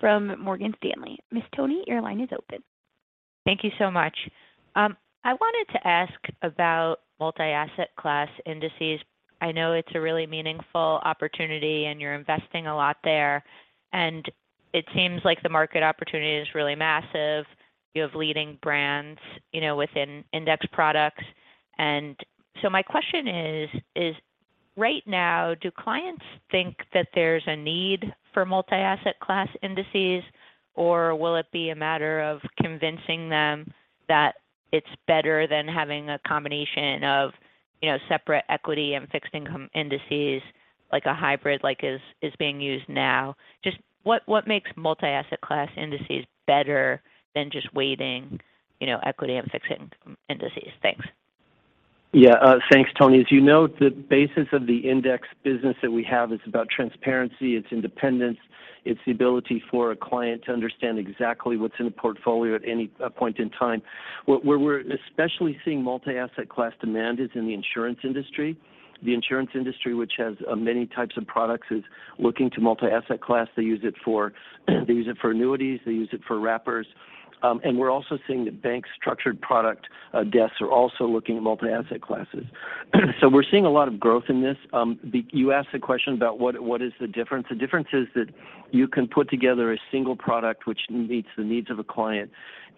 from Morgan Stanley. Ms. Toni, your line is open. Thank you so much. I wanted to ask about multi-asset class indices. I know it's a really meaningful opportunity, and you're investing a lot there, and it seems like the market opportunity is really massive. You have leading brands, you know, within index products. My question is right now, do clients think that there's a need for multi-asset class indices, or will it be a matter of convincing them that it's better than having a combination of, you know, separate equity and fixed income indices, like a hybrid, like is being used now? Just what makes multi-asset class indices better than just weighting, you know, equity and fixed income indices? Thanks. Yeah. Thanks, Toni. As you know, the basis of the index business that we have is about transparency, it's independence, it's the ability for a client to understand exactly what's in a portfolio at any point in time. Where we're especially seeing multi-asset class demand is in the insurance industry. The insurance industry, which has many types of products, is looking to multi-asset class. They use it for annuities, they use it for wrappers. We're also seeing that bank structured product desks are also looking at multi-asset classes. We're seeing a lot of growth in this. You asked the question about what is the difference? The difference is that you can put together a single product which meets the needs of a client.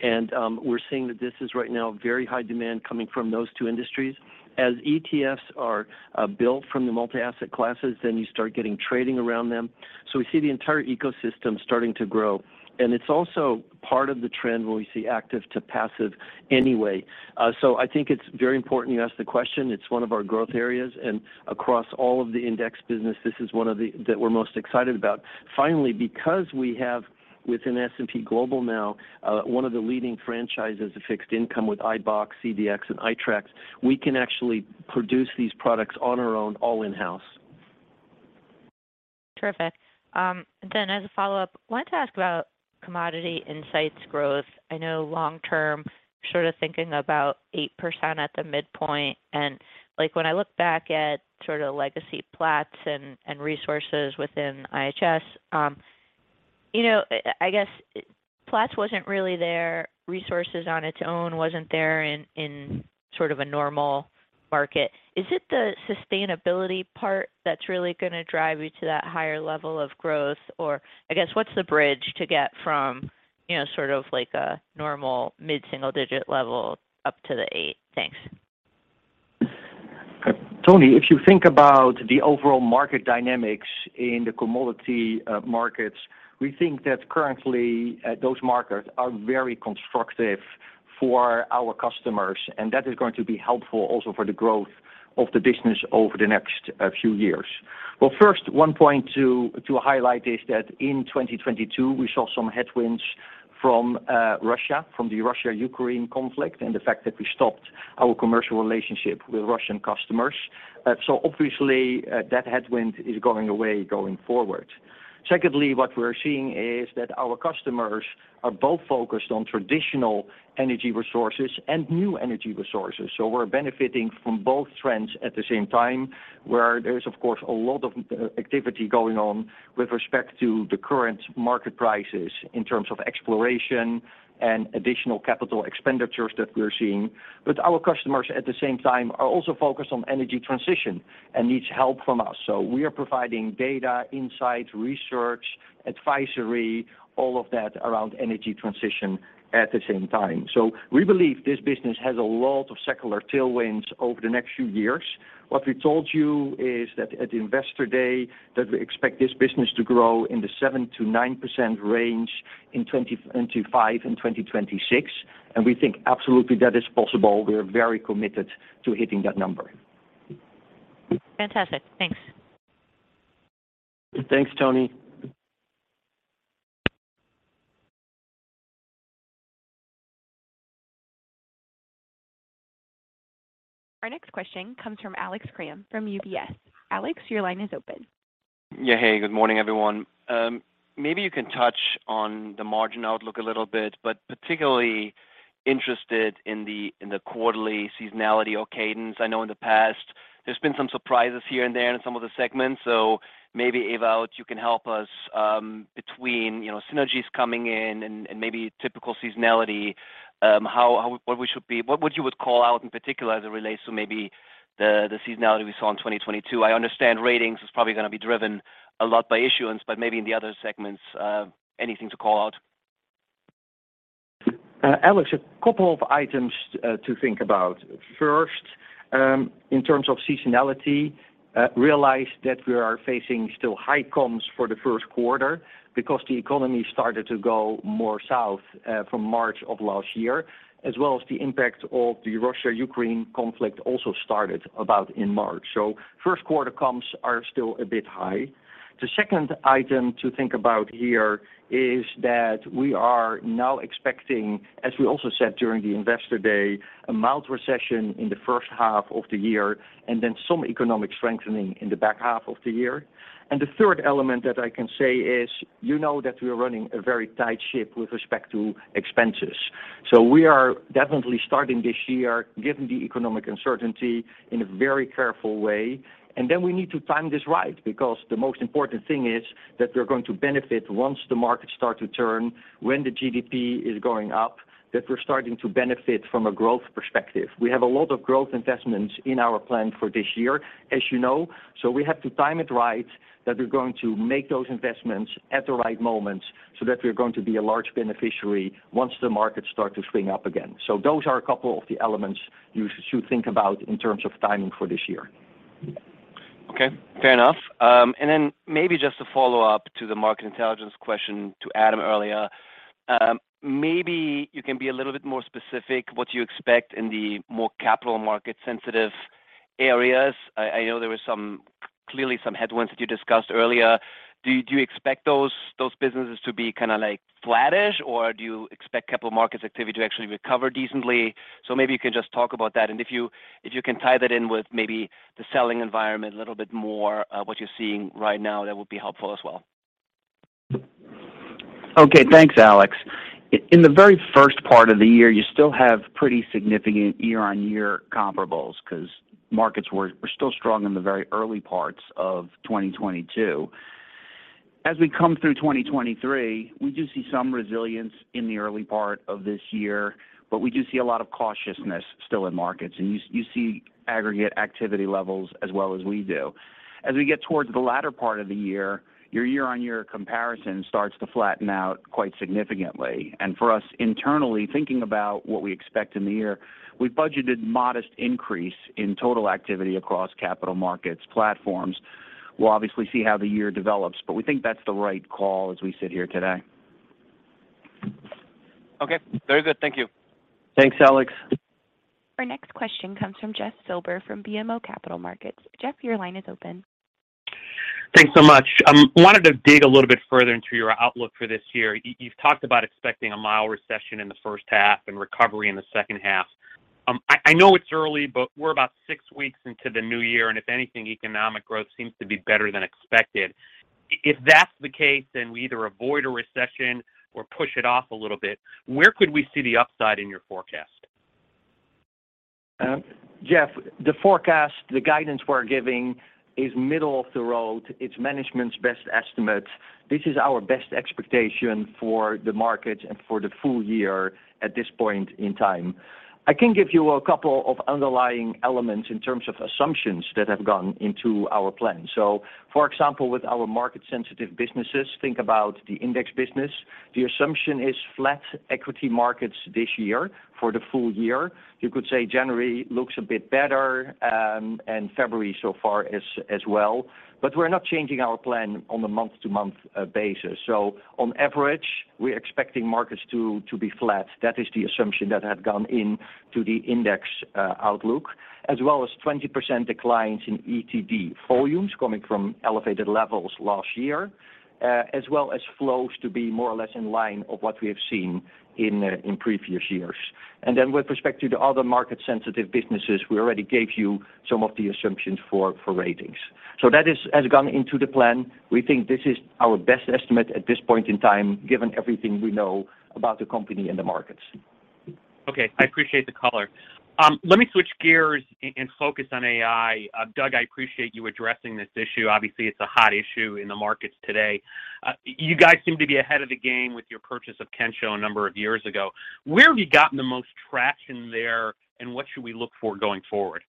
We're seeing that this is right now very high demand coming from those two industries. As ETFs are built from the multi-asset classes, then you start getting trading around them. We see the entire ecosystem starting to grow. It's also part of the trend where we see active to passive anyway. I think it's very important you ask the question. It's one of our growth areas, and across all of the index business, this is one of the that we're most excited about. Finally, because we have, within S&P Global now, one of the leading franchises of fixed income with iBoxx, CDX, and iTraxx, we can actually produce these products on our own, all in-house. Terrific. As a follow-up, wanted to ask about commodity insights growth. I know long term, sort of thinking about 8% at the midpoint. Like, when I look back at sort of legacy Platts and resources within IHS, you know, I guess Platts wasn't really there, Resources on its own wasn't there in sort of a normal market. Is it the sustainability part that's really gonna drive you to that higher level of growth? I guess, what's the bridge to get from, you know, sort of like a normal mid-single digit level up to the 8? Thanks. Toni, if you think about the overall market dynamics in the commodity markets, we think that currently, those markets are very constructive for our customers, and that is going to be helpful also for the growth of the business over the next few years. Well, first, one point to highlight is that in 2022, we saw some headwinds from Russia, from the Russia-Ukraine conflict, and the fact that we stopped our commercial relationship with Russian customers. Obviously, that headwind is going away going forward. Secondly, what we're seeing is that our customers are both focused on traditional energy resources and new energy resources. We're benefiting from both trends at the same time, where there is, of course, a lot of activity going on with respect to the current market prices in terms of exploration and additional capital expenditures that we're seeing. Our customers, at the same time, are also focused on energy transition and needs help from us. We are providing data, insights, research, advisory, all of that around energy transition at the same time. We believe this business has a lot of secular tailwinds over the next few years. What we told you is that at Investor Day, we expect this business to grow in the 7%-9% range in 2025 and 2026, and we think absolutely that is possible. We are very committed to hitting that number. Fantastic. Thanks. Thanks, Toni. Our next question comes from Alex Kramm from UBS. Alex, your line is open. Yeah. Hey, good morning, everyone. Maybe you can touch on the margin outlook a little bit, but particularly interested in the, in the quarterly seasonality or cadence. I know in the past there's been some surprises here and there in some of the segments. Maybe, Ewout, you can help us, between, you know, synergies coming in and maybe typical seasonality, how what you would call out in particular as it relates to maybe the seasonality we saw in 2022. I understand ratings is probably gonna be driven a lot by issuance, but maybe in the other segments, anything to call out? Alex, a couple of items to think about. First, in terms of seasonality, realize that we are facing still high comms for the first quarter because the economy started to go more south from March of last year, as well as the impact of the Russia-Ukraine conflict also started about in March. First quarter comms are still a bit high. The second item to think about here is that we are now expecting, as we also said during the investor day, a mild recession in the first half of the year and then some economic strengthening in the back half of the year. The third element that I can say is, you know that we are running a very tight ship with respect to expenses. We are definitely starting this year, given the economic uncertainty, in a very careful way. We need to time this right, because the most important thing is that we're going to benefit once the markets start to turn, when the GDP is going up, that we're starting to benefit from a growth perspective. We have a lot of growth investments in our plan for this year, as you know. We have to time it right that we're going to make those investments at the right moment so that we're going to be a large beneficiary once the markets start to swing up again. Those are a couple of the elements you should think about in terms of timing for this year. Okay, fair enough. Then maybe just a follow-up to the Market Intelligence question to Adam earlier. Maybe you can be a little bit more specific what you expect in the more capital market sensitive areas. I know there were clearly some headwinds that you discussed earlier. Do you expect those businesses to be kind of like flattish, or do you expect capital markets activity to actually recover decently? Maybe you can just talk about that. If you can tie that in with maybe the selling environment a little bit more, what you're seeing right now, that would be helpful as well. Okay. Thanks, Alex. In the very first part of the year, you still have pretty significant year-on-year comparables because markets were still strong in the very early parts of 2022. As we come through 2023, we do see some resilience in the early part of this year, but we do see a lot of cautiousness still in markets, and you see aggregate activity levels as well as we do. As we get towards the latter part of the year, your year-on-year comparison starts to flatten out quite significantly. For us internally, thinking about what we expect in the year, we budgeted modest increase in total activity across capital markets platforms. We'll obviously see how the year develops, but we think that's the right call as we sit here today. Okay, very good. Thank you. Thanks, Alex. Our next question comes from Jeff Silber from BMO Capital Markets. Jeff, your line is open. Thanks so much. Wanted to dig a little bit further into your outlook for this year. You've talked about expecting a mild recession in the first half and recovery in the second half. I know it's early, but we're about six weeks into the new year, if anything, economic growth seems to be better than expected. If that's the case, we either avoid a recession or push it off a little bit. Where could we see the upside in your forecast? Jeff, the forecast, the guidance we're giving is middle of the road. It's management's best estimate. This is our best expectation for the market and for the full year at this point in time. I can give you a couple of underlying elements in terms of assumptions that have gone into our plan. For example, with our market sensitive businesses, think about the index business. The assumption is flat equity markets this year for the full year. You could say January looks a bit better, and February so far as well. We're not changing our plan on a month-to-month basis. On average, we're expecting markets to be flat. That is the assumption that had gone into the index, outlook, as well as 20% declines in ETD volumes coming from elevated levels last year, as well as flows to be more or less in line of what we have seen in previous years. With respect to the other market sensitive businesses, we already gave you some of the assumptions for ratings. That has gone into the plan. We think this is our best estimate at this point in time, given everything we know about the company and the markets. Okay. I appreciate the color. Let me switch gears and focus on AI. Doug, I appreciate you addressing this issue. Obviously, it's a hot issue in the markets today. You guys seem to be ahead of the game with your purchase of Kensho a number of years ago. Where have you gotten the most traction there, and what should we look for going forward?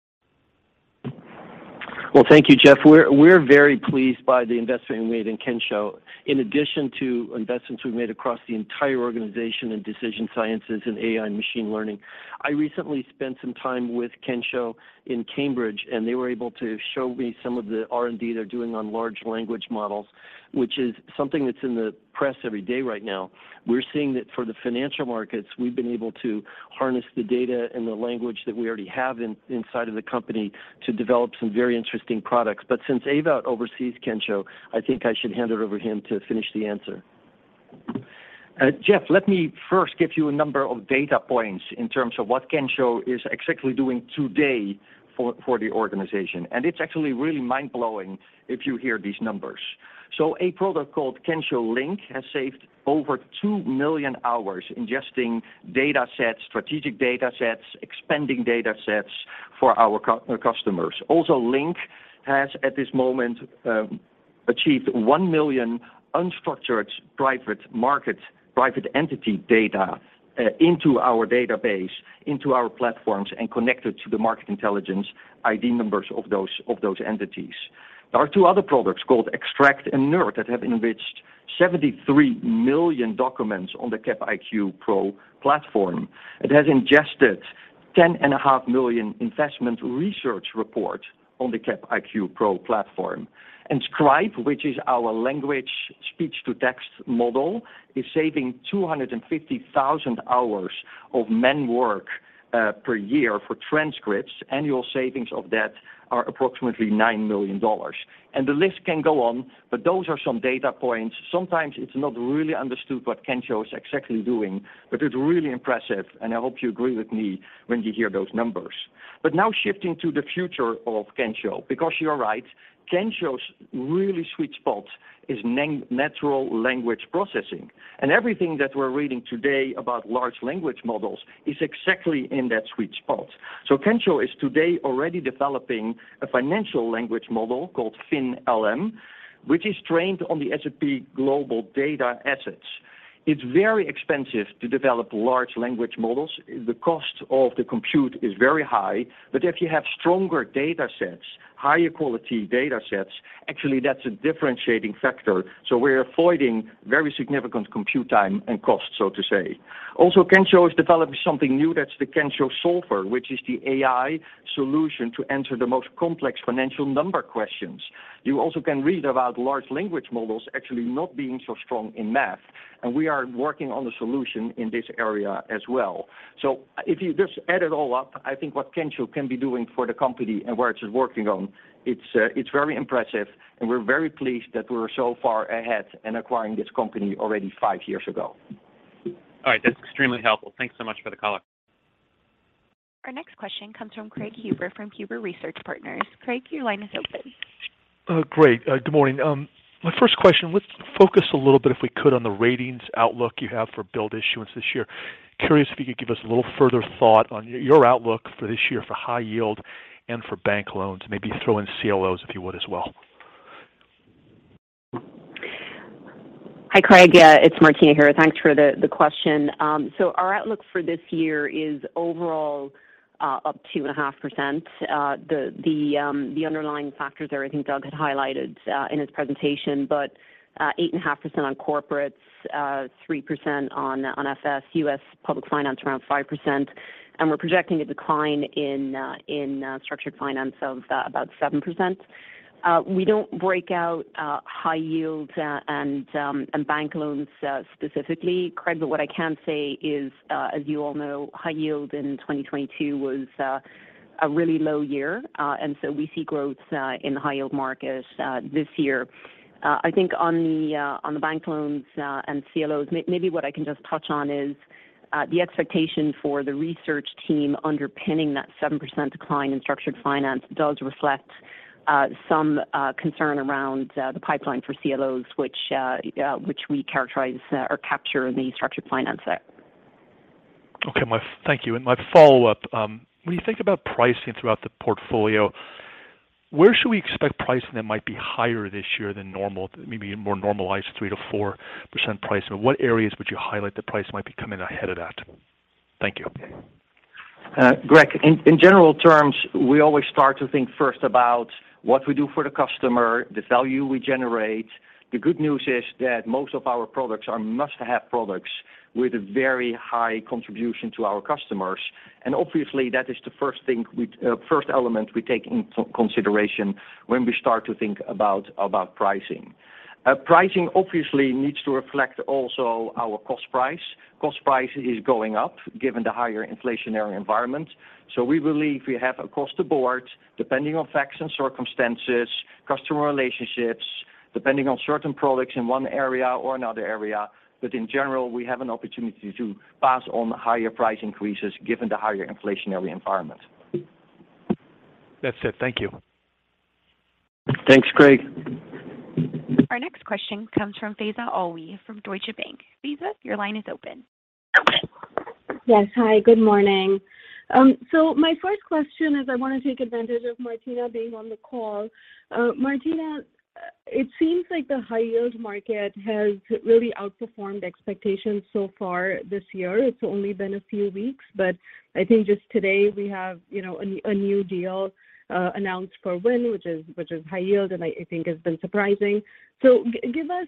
Well, thank you, Jeff. We're very pleased by the investment we made in Kensho. In addition to investments we've made across the entire organization in decision sciences and AI machine learning. I recently spent some time with Kensho in Cambridge, and they were able to show me some of the R&D they're doing on large language models, which is something that's in the press every day right now. We're seeing that for the financial markets, we've been able to harness the data and the language that we already have inside of the company to develop some very interesting products. Since Ewout oversees Kensho, I think I should hand it over to him to finish the answer. Jeff, let me first give you a number of data points in terms of what Kensho is exactly doing today for the organization. It's actually really mind-blowing if you hear these numbers. A product called Kensho Link has saved over two million hours ingesting data sets, strategic data sets, expanding data sets for our customers. Link has, at this moment, achieved one million unstructured private market, private entity data into our database, into our platforms, and connected to the Market Intelligence ID numbers of those entities. Two other products called Kensho Extract and NERD that have enriched 73 million documents on the Capital IQ Pro platform. It has ingested 10.5 million investment research reports on the Capital IQ Pro platform. Scribe, which is our language speech-to-text model, is saving 250,000 hours of man work per year for transcripts. Annual savings of that are approximately $9 million. The list can go on, but those are some data points. Sometimes it's not really understood what Kensho is exactly doing, but it's really impressive, and I hope you agree with me when you hear those numbers. Now shifting to the future of Kensho, because you are right, Kensho's really sweet spot is natural language processing. Everything that we're reading today about large language models is exactly in that sweet spot. Kensho is today already developing a financial language model called FinLM, which is trained on the S&P Global data assets. It's very expensive to develop large language models. The cost of the compute is very high. If you have stronger data sets, higher quality data sets, actually, that's a differentiating factor. We're avoiding very significant compute time and cost, so to say. Kensho has developed something new, that's the Kensho Solver, which is the AI solution to answer the most complex financial number questions. You also can read about large language models actually not being so strong in math, and we are working on the solution in this area as well. If you just add it all up, I think what Kensho can be doing for the company and where it is working on, it's very impressive, and we're very pleased that we're so far ahead in acquiring this company already five years ago. All right. That's extremely helpful. Thanks so much for the color. Our next question comes from Craig Huber from Huber Research Partners. Craig, your line is open. Craig, good morning. My first question, let's focus a little bit, if we could, on the ratings outlook you have for build issuance this year. Curious if you could give us a little further thought on your outlook for this year for high yield and for bank loans. Maybe throw in CLOs, if you would, as well. Hi, Craig. It's Martina here. Thanks for the question. Our outlook for this year is overall up 2.5%. The underlying factors there, I think Doug had highlighted in his presentation, 8.5% on corporates, 3% on FS, U.S. public finance around 5%, and we're projecting a decline in structured finance of about 7%. We don't break out high yield and bank loans specifically, Craig, what I can say is, as you all know, high yield in 2022 was a really low year, we see growth in the high-yield market this year. I think on the bank loans and CLOs, maybe what I can just touch on is, the expectation for the research team underpinning that 7% decline in structured finance does reflect some concern around the pipeline for CLOs, which we characterize or capture in the structured finance set. Okay. Thank you. My follow-up, when you think about pricing throughout the portfolio, where should we expect pricing that might be higher this year than normal, maybe more normalized 3%-4% pricing? What areas would you highlight the price might be coming ahead of that? Thank you. Craig, in general terms, we always start to think first about what we do for the customer, the value we generate. The good news is that most of our products are must-have products with a very high contribution to our customers. Obviously, that is the first element we take into consideration when we start to think about pricing. Pricing obviously needs to reflect also our cost price. Cost price is going up given the higher inflationary environment. We believe we have across the board, depending on facts and circumstances, customer relationships, depending on certain products in one area or another area. In general, we have an opportunity to pass on higher price increases given the higher inflationary environment. That's it. Thank you. Thanks, Craig. Our next question comes from Faiza Alwy from Deutsche Bank. Faiza, your line is open. Yes. Hi, good morning. My first question is I want to take advantage of Martina being on the call. Martina, it seems like the high-yield market has really outperformed expectations so far this year. It's only been a few weeks, but I think just today we have, you know, a new deal announced for Wynn, which is high yield, and I think has been surprising. Give us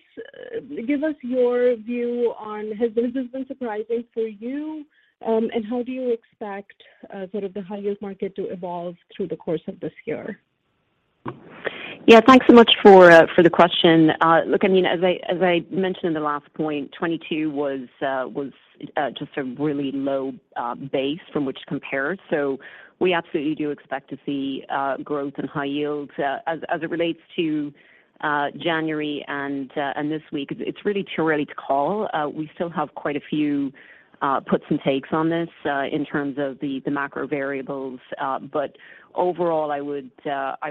your view on has this been surprising for you, and how do you expect sort of the high-yield market to evolve through the course of this year? Yeah. Thanks so much for the question. Look, I mean, as I mentioned in the last point, 2022 was just a really low base from which compared. We absolutely do expect to see growth in high yields. As it relates to January and this week, it's really too ready to call. We still have quite a few puts and takes on this in terms of the macro variables. Overall, I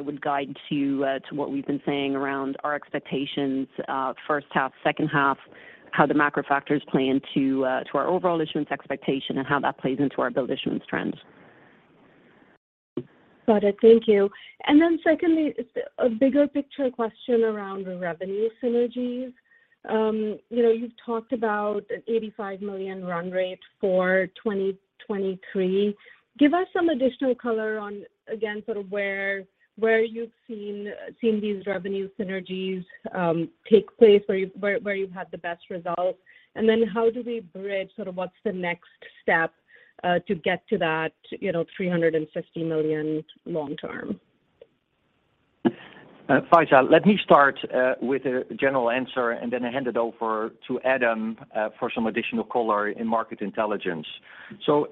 would guide to to what we've been saying around our expectations of first half, second half, how the macro factors play into to our overall issuance expectation and how that plays into our build issuance trends. Got it. Thank you. Secondly, a bigger picture question around revenue synergies. You know, you've talked about an $85 million run rate for 2023. Give us some additional color on, again, sort of where you've seen these revenue synergies take place, where you've had the best results. How do we bridge, sort of what's the next step, to get to that, you know, $350 million long term? Faiza, let me start with a general answer. I hand it over to Adam for some additional color in Market Intelligence.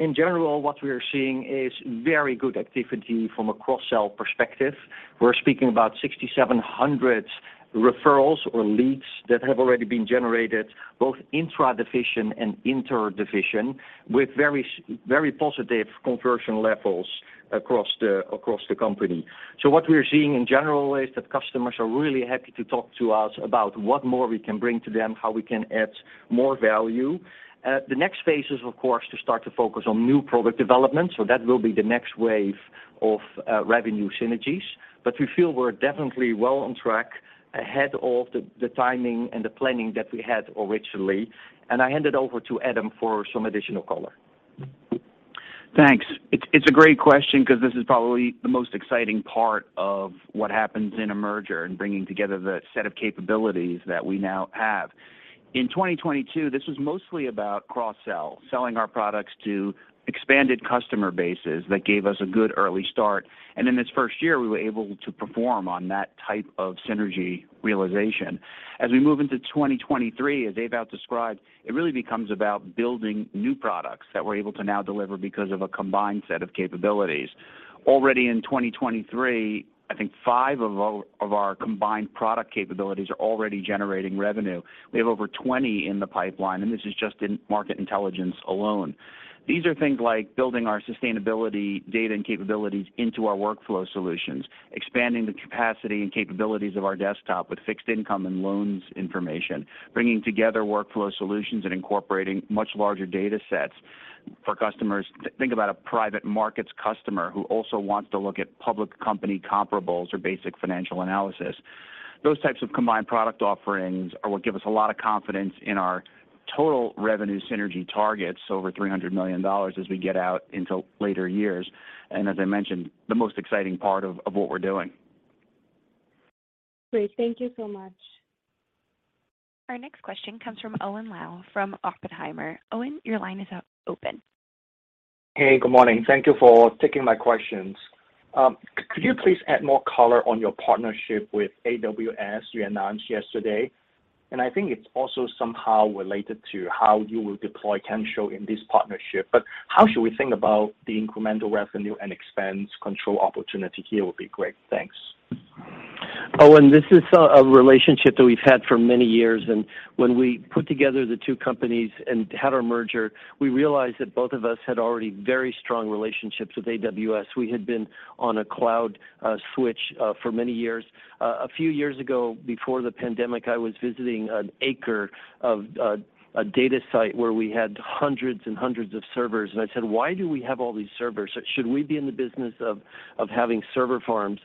In general, what we are seeing is very good activity from a cross-sell perspective. We're speaking about 6,700 referrals or leads that have already been generated, both intra-division and inter-division, with very positive conversion levels across the company. What we're seeing in general is that customers are really happy to talk to us about what more we can bring to them, how we can add more value. The next phase is, of course, to start to focus on new product development. That will be the next wave of revenue synergies. We feel we're definitely well on track ahead of the timing and the planning that we had originally. I hand it over to Adam for some additional color. Thanks. It's a great question 'cause this is probably the most exciting part of what happens in a merger and bringing together the set of capabilities that we now have. In 2022, this was mostly about cross-sell, selling our products to expanded customer bases that gave us a good early start. In this first year, we were able to perform on that type of synergy realization. As we move into 2023, as Ewout described, it really becomes about building new products that we're able to now deliver because of a combined set of capabilities. Already in 2023, I think five of our combined product capabilities are already generating revenue. We have over 20 in the pipeline, and this is just in Market Intelligence alone. These are things like building our sustainability data and capabilities into our workflow solutions, expanding the capacity and capabilities of our desktop with fixed income and loans information, bringing together workflow solutions, and incorporating much larger datasets for customers. Think about a private markets customer who also wants to look at public company comparables or basic financial analysis. Those types of combined product offerings are what give us a lot of confidence in our total revenue synergy targets, over $300 million as we get out into later years. As I mentioned, the most exciting part of what we're doing. Great. Thank you so much. Our next question comes from Owen Lau from Oppenheimer. Owen, your line is open. Hey, good morning. Thank you for taking my questions. could you please add more color on your partnership with AWS you announced yesterday? And I think it's also somehow related to how you will deploy Kensho in this partnership. But how should we think about the incremental revenue and expense control opportunity here would be great. Thanks. Owen, this is a relationship that we've had for many years. When we put together the two companies and had our merger, we realized that both of us had already very strong relationships with AWS. We had been on a cloud switch for many years. A few years ago, before the pandemic, I was visiting an acre of a data site where we had hundreds and hundreds of servers. I said, "Why do we have all these servers? Should we be in the business of having server farms?"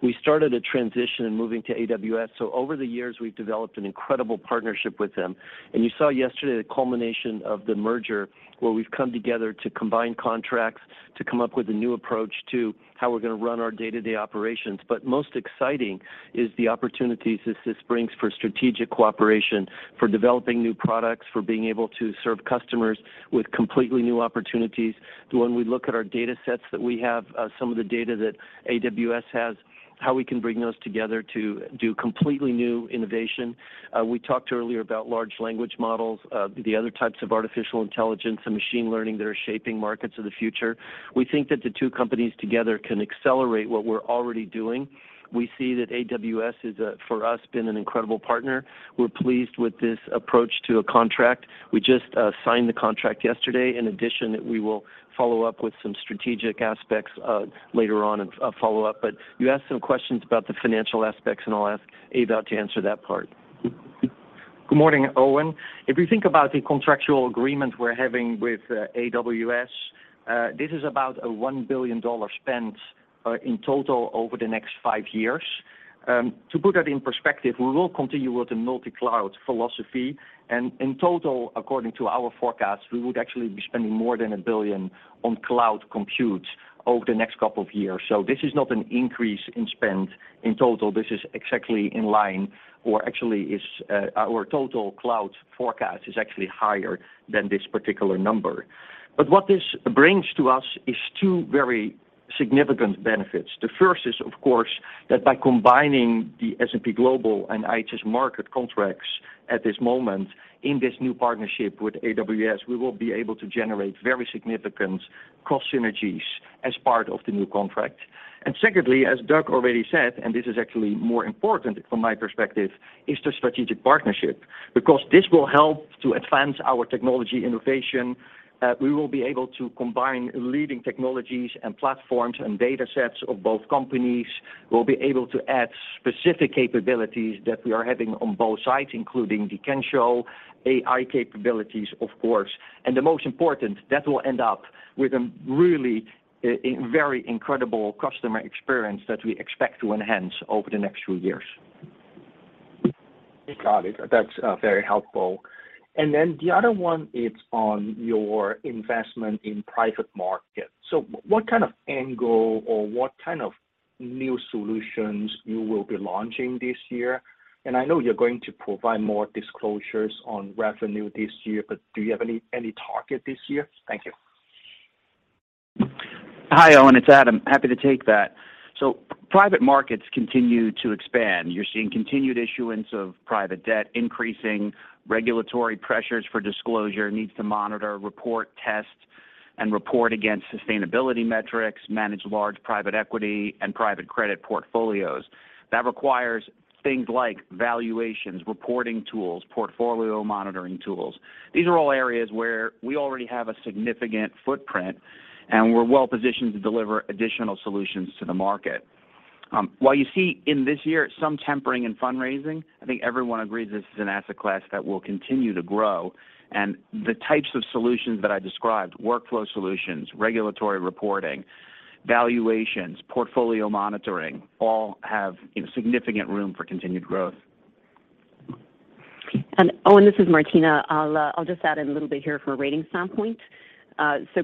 We started a transition in moving to AWS. Over the years, we've developed an incredible partnership with them. You saw yesterday the culmination of the merger, where we've come together to combine contracts, to come up with a new approach to how we're gonna run our day-to-day operations. Most exciting is the opportunities this brings for strategic cooperation, for developing new products, for being able to serve customers with completely new opportunities. When we look at our datasets that we have, some of the data that AWS has, how we can bring those together to do completely new innovation. We talked earlier about large language models, the other types of artificial intelligence and machine learning that are shaping markets of the future. We think that the two companies together can accelerate what we're already doing. We see that AWS is, for us, been an incredible partner. We're pleased with this approach to a contract. We just signed the contract yesterday. In addition, we will follow up with some strategic aspects, later on in a follow-up. You asked some questions about the financial aspects, and I'll ask Ewout to answer that part. Good morning, Owen. If you think about the contractual agreement we're having with AWS, this is about a $1 billion spend in total over the next five years. To put that in perspective, we will continue with the multi-cloud philosophy, and in total, according to our forecasts, we would actually be spending more than $1 billion on cloud compute over the next couple of years. This is not an increase in spend in total. This is exactly in line, or actually is, our total cloud forecast is actually higher than this particular number. What this brings to us is two very significant benefits. The first is, of course, that by combining the S&P Global and IHS Markit contracts at this moment in this new partnership with AWS, we will be able to generate very significant cost synergies as part of the new contract. Secondly, as Doug already said, and this is actually more important from my perspective, is the strategic partnership. This will help to advance our technology innovation. We will be able to combine leading technologies and platforms and datasets of both companies. We'll be able to add specific capabilities that we are having on both sides, including the Kensho AI capabilities, of course. The most important, that will end up with a really, a very incredible customer experience that we expect to enhance over the next few years. Got it. That's very helpful. The other one is on your investment in private market. What kind of angle or what kind of new solutions you will be launching this year? I know you're going to provide more disclosures on revenue this year, but do you have any target this year? Thank you. Hi, Owen. It's Adam. Happy to take that. Private markets continue to expand. You're seeing continued issuance of private debt, increasing regulatory pressures for disclosure, needs to monitor, report, test, and report against sustainability metrics, manage large private equity and private credit portfolios. That requires things like valuations, reporting tools, portfolio monitoring tools. These are all areas where we already have a significant footprint, and we're well-positioned to deliver additional solutions to the market. While you see in this year some tempering in fundraising, I think everyone agrees this is an asset class that will continue to grow. The types of solutions that I described, workflow solutions, regulatory reporting, valuations, portfolio monitoring, all have significant room for continued growth. Owen, this is Martina. I'll just add in a little bit here from a ratings standpoint.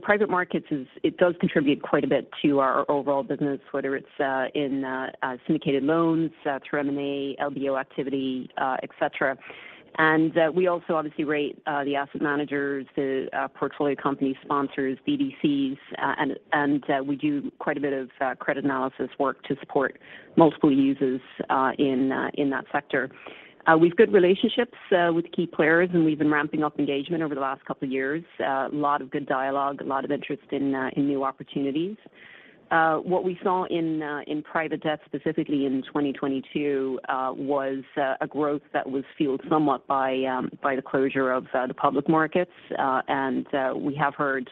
Private markets it does contribute quite a bit to our overall business, whether it's in syndicated loans through M&A, LBO activity, et cetera. We also obviously rate the asset managers, the portfolio company sponsors, BDCs, and we do quite a bit of credit analysis work to support multiple users in that sector. We've good relationships with key players, and we've been ramping up engagement over the last couple of years. A lot of good dialogue, a lot of interest in new opportunities. What we saw in private debt, specifically in 2022, was a growth that was fueled somewhat by the closure of the public markets. We have heard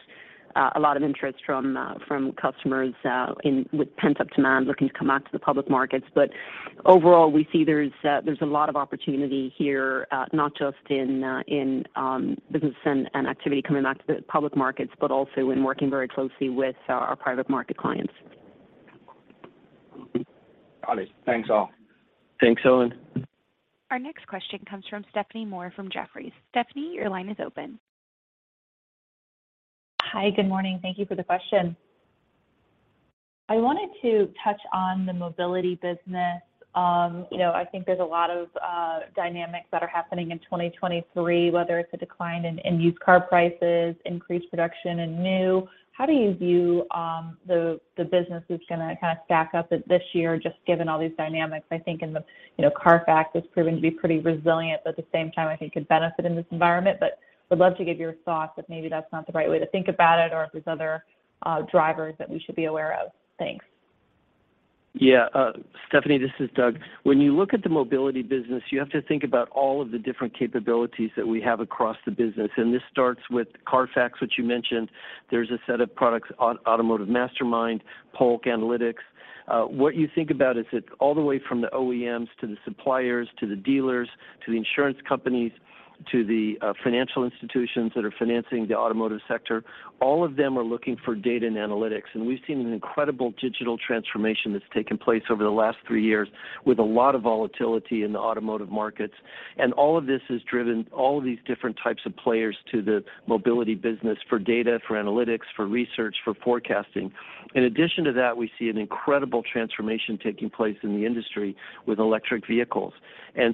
a lot of interest from customers with pent-up demand looking to come back to the public markets. Overall, we see there's a lot of opportunity here, not just in business and activity coming back to the public markets, but also in working very closely with our private market clients. Got it. Thanks, all. Thanks, Owen. Our next question comes from Stephanie Moore from Jefferies. Stephanie, your line is open. Hi. Good morning. Thank you for the question. I wanted to touch on the mobility business. You know, I think there's a lot of dynamics that are happening in 2023, whether it's a decline in used car prices, increased production in new. How do you view the business is gonna kind of stack up this year, just given all these dynamics? I think in the, you know, CARFAX is proving to be pretty resilient, but at the same time, I think could benefit in this environment. Would love to give your thoughts if maybe that's not the right way to think about it or if there's other drivers that we should be aware of. Thanks. Yeah. Stephanie, this is Doug. When you look at the mobility business, you have to think about all of the different capabilities that we have across the business. This starts with CARFAX, which you mentioned. There's a set of products, automotiveMastermind, Polk Analytics. What you think about is it's all the way from the OEMs to the suppliers, to the dealers, to the insurance companies, to the financial institutions that are financing the automotive sector. All of them are looking for data and analytics, and we've seen an incredible digital transformation that's taken place over the last three years with a lot of volatility in the automotive markets. All of this has driven all of these different types of players to the mobility business for data, for analytics, for research, for forecasting. In addition to that, we see an incredible transformation taking place in the industry with electric vehicles.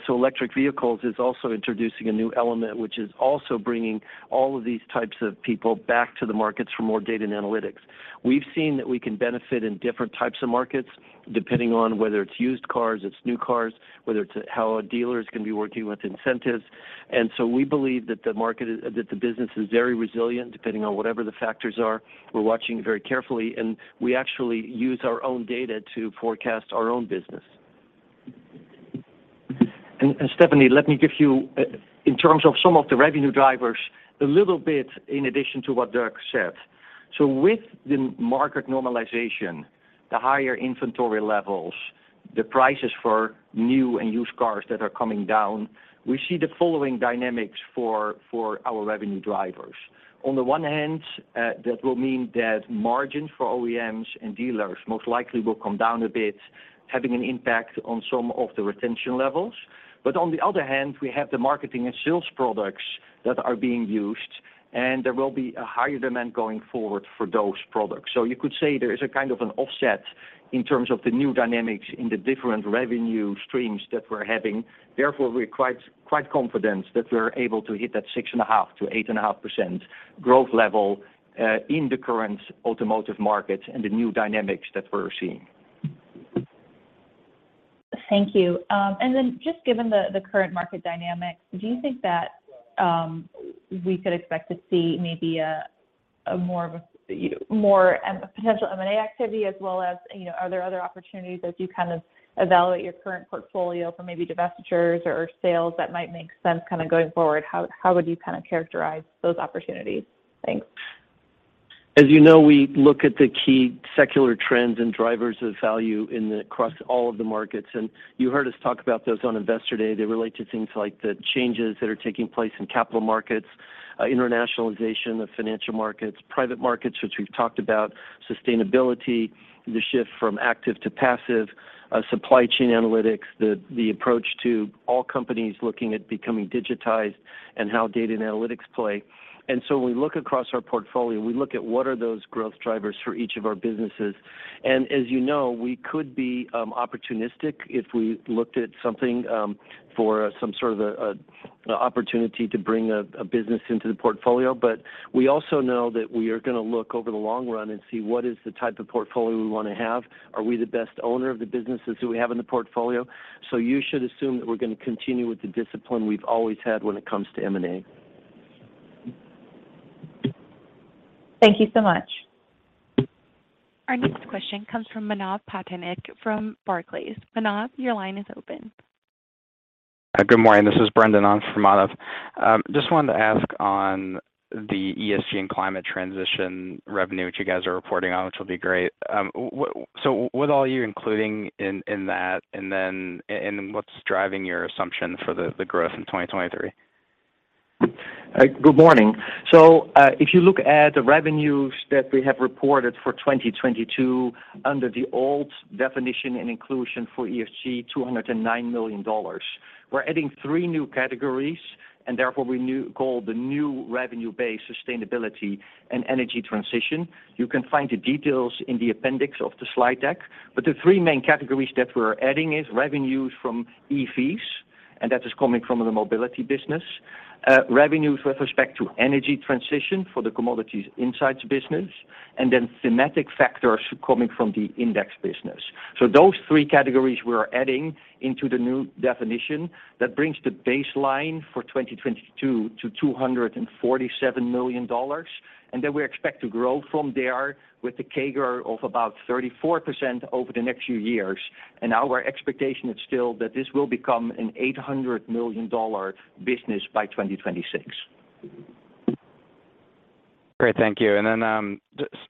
Electric vehicles is also introducing a new element, which is also bringing all of these types of people back to the markets for more data and analytics. We've seen that we can benefit in different types of markets depending on whether it's used cars, it's new cars, whether it's how a dealer is going to be working with incentives. We believe that the market is that the business is very resilient, depending on whatever the factors are. We're watching very carefully, and we actually use our own data to forecast our own business. Stephanie, let me give you in terms of some of the revenue drivers, a little bit in addition to what Doug said. With the market normalization, the higher inventory levels, the prices for new and used cars that are coming down, we see the following dynamics for our revenue drivers. On the one hand, that will mean that margins for OEMs and dealers most likely will come down a bit, having an impact on some of the retention levels. On the other hand, we have the marketing and sales products that are being used, and there will be a higher demand going forward for those products. You could say there is a kind of an offset in terms of the new dynamics in the different revenue streams that we're having. We're quite confident that we're able to hit that 6.5%-8.5% growth level in the current automotive markets and the new dynamics that we're seeing. Thank you. Just given the current market dynamics, do you think that we could expect to see maybe a more of a, more potential M&A activity as well as, you know, are there other opportunities as you kind of evaluate your current portfolio for maybe divestitures or sales that might make sense kind of going forward? How would you kind of characterize those opportunities? Thanks. As you know, we look at the key secular trends and drivers of value across all of the markets. You heard us talk about those on Investor Day. They relate to things like the changes that are taking place in capital markets. Internationalization of financial markets, private markets, which we've talked about, sustainability, the shift from active to passive, supply chain analytics, the approach to all companies looking at becoming digitized and how data and analytics play. When we look across our portfolio, we look at what are those growth drivers for each of our businesses. As you know, we could be opportunistic if we looked at something for some sort of an opportunity to bring a business into the portfolio. We also know that we are gonna look over the long run and see what is the type of portfolio we want to have. Are we the best owner of the businesses who we have in the portfolio? You should assume that we're gonna continue with the discipline we've always had when it comes to M&A. Thank you so much. Our next question comes from Manav Patnaik from Barclays. Manav, your line is open. Good morning. This is Brendan on for Manav. Just wanted to ask on the ESG and climate transition revenue, which you guys are reporting on, which will be great. So what all are you including in that, and then, what's driving your assumption for the growth in 2023? Good morning. If you look at the revenues that we have reported for 2022 under the old definition and inclusion for ESG, $209 million. We're adding three new categories, and therefore we call the new revenue base sustainability and energy transition. You can find the details in the appendix of the slide deck. The three main categories that we're adding is revenues from e-fees, and that is coming from the Mobility business, revenues with respect to energy transition for the Commodities Insights business, and then thematic factors coming from the Index business. Those three categories we are adding into the new definition, that brings the baseline for 2022 to $247 million. Then we expect to grow from there with the CAGR of about 34% over the next few years. Our expectation is still that this will become a $800 million business by 2026. Great. Thank you. Then,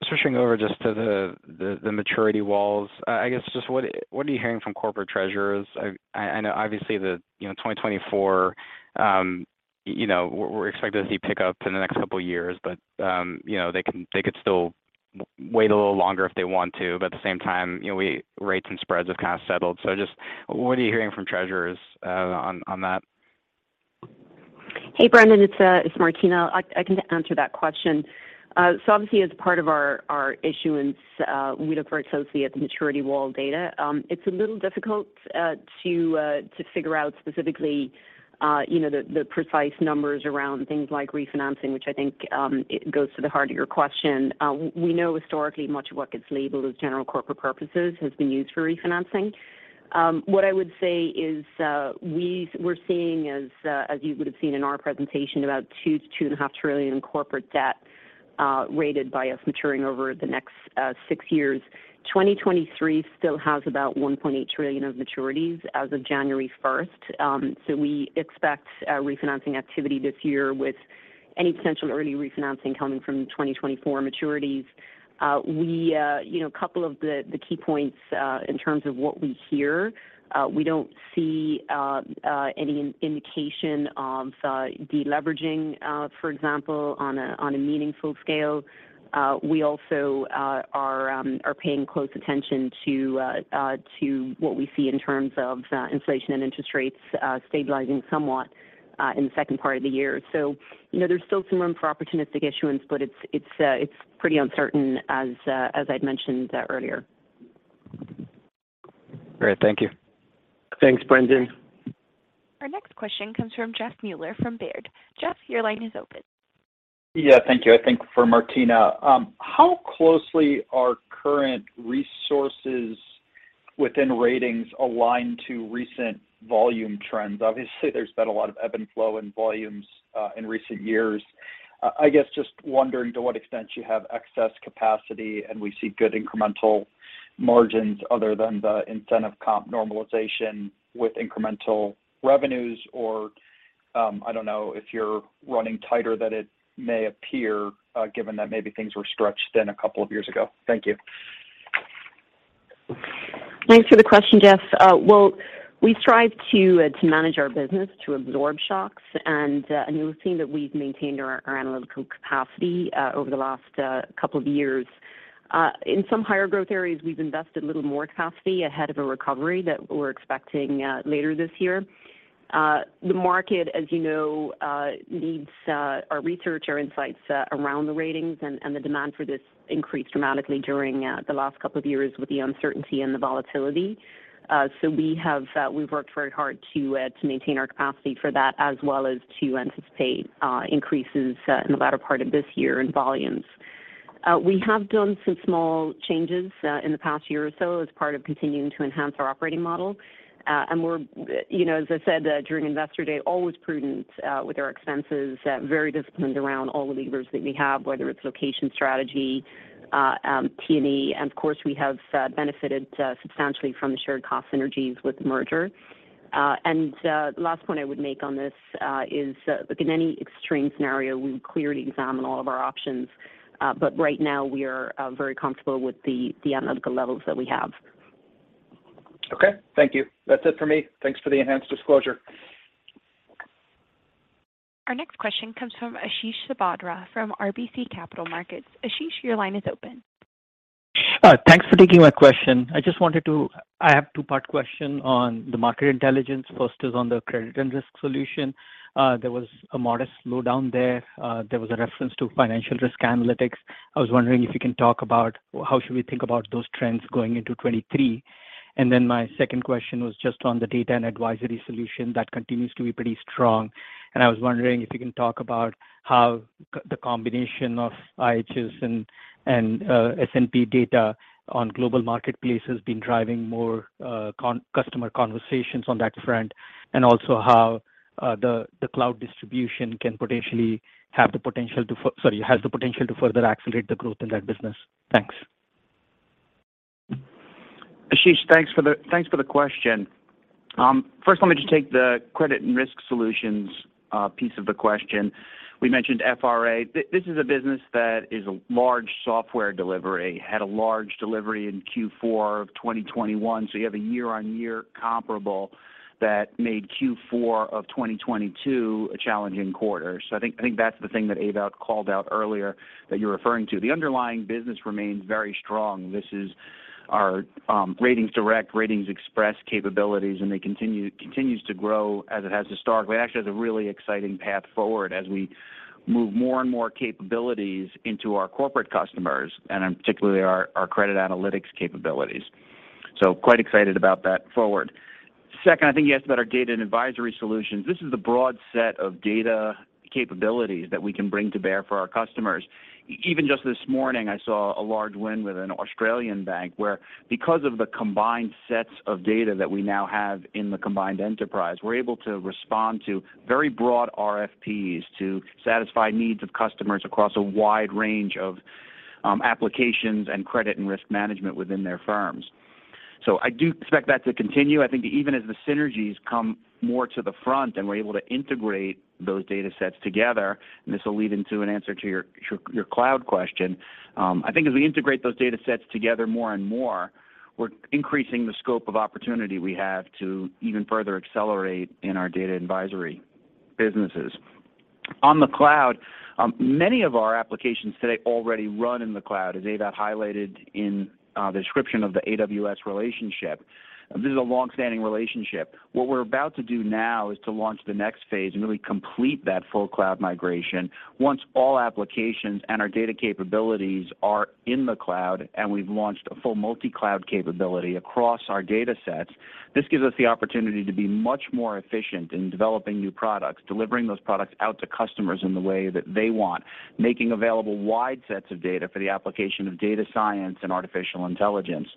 switching over just to the maturity walls, I guess just what are you hearing from corporate treasurers? I know obviously the, you know, 2024, you know, we're expecting to see pick up in the next couple of years, but, you know, they could still wait a little longer if they want to, but at the same time, you know, rates and spreads have kind of settled. Just what are you hearing from treasurers, on that? Hey, Brendan, it's Martina. I can answer that question. Obviously as part of our issuance, we look very closely at the maturity wall data. It's a little difficult to figure out specifically, you know, the precise numbers around things like refinancing, which I think it goes to the heart of your question. We know historically much of what gets labeled as general corporate purposes has been used for refinancing. What I would say is we're seeing as you would have seen in our presentation about $2 trillion-$2.5 trillion in corporate debt rated by us maturing over the next six years. 2023 still has about $1.8 trillion of maturities as of January 1st. We expect refinancing activity this year with any potential early refinancing coming from 2024 maturities. We, you know, a couple of the key points in terms of what we hear, we don't see any indication of deleveraging, for example, on a meaningful scale. We also are paying close attention to what we see in terms of inflation and interest rates stabilizing somewhat in the second part of the year. You know, there's still some room for opportunistic issuance, but it's pretty uncertain as I'd mentioned earlier. Great. Thank you. Thanks, Brendan. Our next question comes from Jeff Meuler from Baird. Jeff, your line is open. Thank you. I think for Martina. How closely are current resources within Ratings aligned to recent volume trends? Obviously, there's been a lot of ebb and flow in volumes in recent years. I guess just wondering to what extent you have excess capacity and we see good incremental margins other than the incentive comp normalization with incremental revenues, or, I don't know if you're running tighter that it may appear, given that maybe things were stretched then a couple of years ago. Thank you. Thanks for the question, Jeff. Well, we strive to manage our business to absorb shocks. You'll have seen that we've maintained our analytical capacity over the last couple of years. In some higher growth areas, we've invested a little more capacity ahead of a recovery that we're expecting later this year. The market, as you know, needs our research, our insights around the ratings and the demand for this increased dramatically during the last couple of years with the uncertainty and the volatility. We've worked very hard to maintain our capacity for that as well as to anticipate increases in the latter part of this year in volumes. We have done some small changes in the past year or so as part of continuing to enhance our operating model. We're, you know, as I said during Investor Day, always prudent with our expenses, very disciplined around all the levers that we have, whether it's location strategy, T&E, and of course, we have benefited substantially from the shared cost synergies with merger. The last point I would make on this is, look, in any extreme scenario, we clearly examine all of our options, but right now we are very comfortable with the analytical levels that we have. Okay, thank you. That's it for me. Thanks for the enhanced disclosure. Our next question comes from Ashish Sabadra from RBC Capital Markets. Ashish, your line is open. Thanks for taking my question. I have two-part question on the Market Intelligence. First is on the credit and risk solution. There was a modest slowdown there. There was a reference to financial risk analytics. I was wondering if you can talk about how should we think about those trends going into 2023. My second question was just on the data and advisory solution that continues to be pretty strong. I was wondering if you can talk about how the combination of IHS and S&P data on global marketplace has been driving more customer conversations on that front, and also how the cloud distribution can potentially have the potential to further accelerate the growth in that business. Thanks. Ashish Sabadra, thanks for the question. First let me just take the credit and risk solutions piece of the question. We mentioned FRA. This is a business that is a large software delivery, had a large delivery in Q4 of 2021, so you have a year-on-year comparable that made Q4 of 2022 a challenging quarter. I think that's the thing that Ewout Steenbergen called out earlier that you're referring to. The underlying business remains very strong. This is our RatingsDirect, RatingsXpress capabilities, and they continue, continues to grow as it has historically. Actually has a really exciting path forward as we move more and more capabilities into our corporate customers, and particularly our credit analytics capabilities. Quite excited about that forward. Second, I think you asked about our data and advisory solutions. This is a broad set of data capabilities that we can bring to bear for our customers. Even just this morning, I saw a large win with an Australian bank where because of the combined sets of data that we now have in the combined enterprise, we're able to respond to very broad RFPs to satisfy needs of customers across a wide range of applications and credit and risk management within their firms. I do expect that to continue. I think even as the synergies come more to the front and we're able to integrate those data sets together, and this will lead into an answer to your, to your cloud question. I think as we integrate those data sets together more and more, we're increasing the scope of opportunity we have to even further accelerate in our data advisory businesses. On the cloud, many of our applications today already run in the cloud, as Ewout highlighted in the description of the AWS relationship. This is a long-standing relationship. What we're about to do now is to launch the next phase and really complete that full cloud migration. Once all applications and our data capabilities are in the cloud and we've launched a full multi-cloud capability across our data sets, this gives us the opportunity to be much more efficient in developing new products, delivering those products out to customers in the way that they want, making available wide sets of data for the application of data science and artificial intelligence.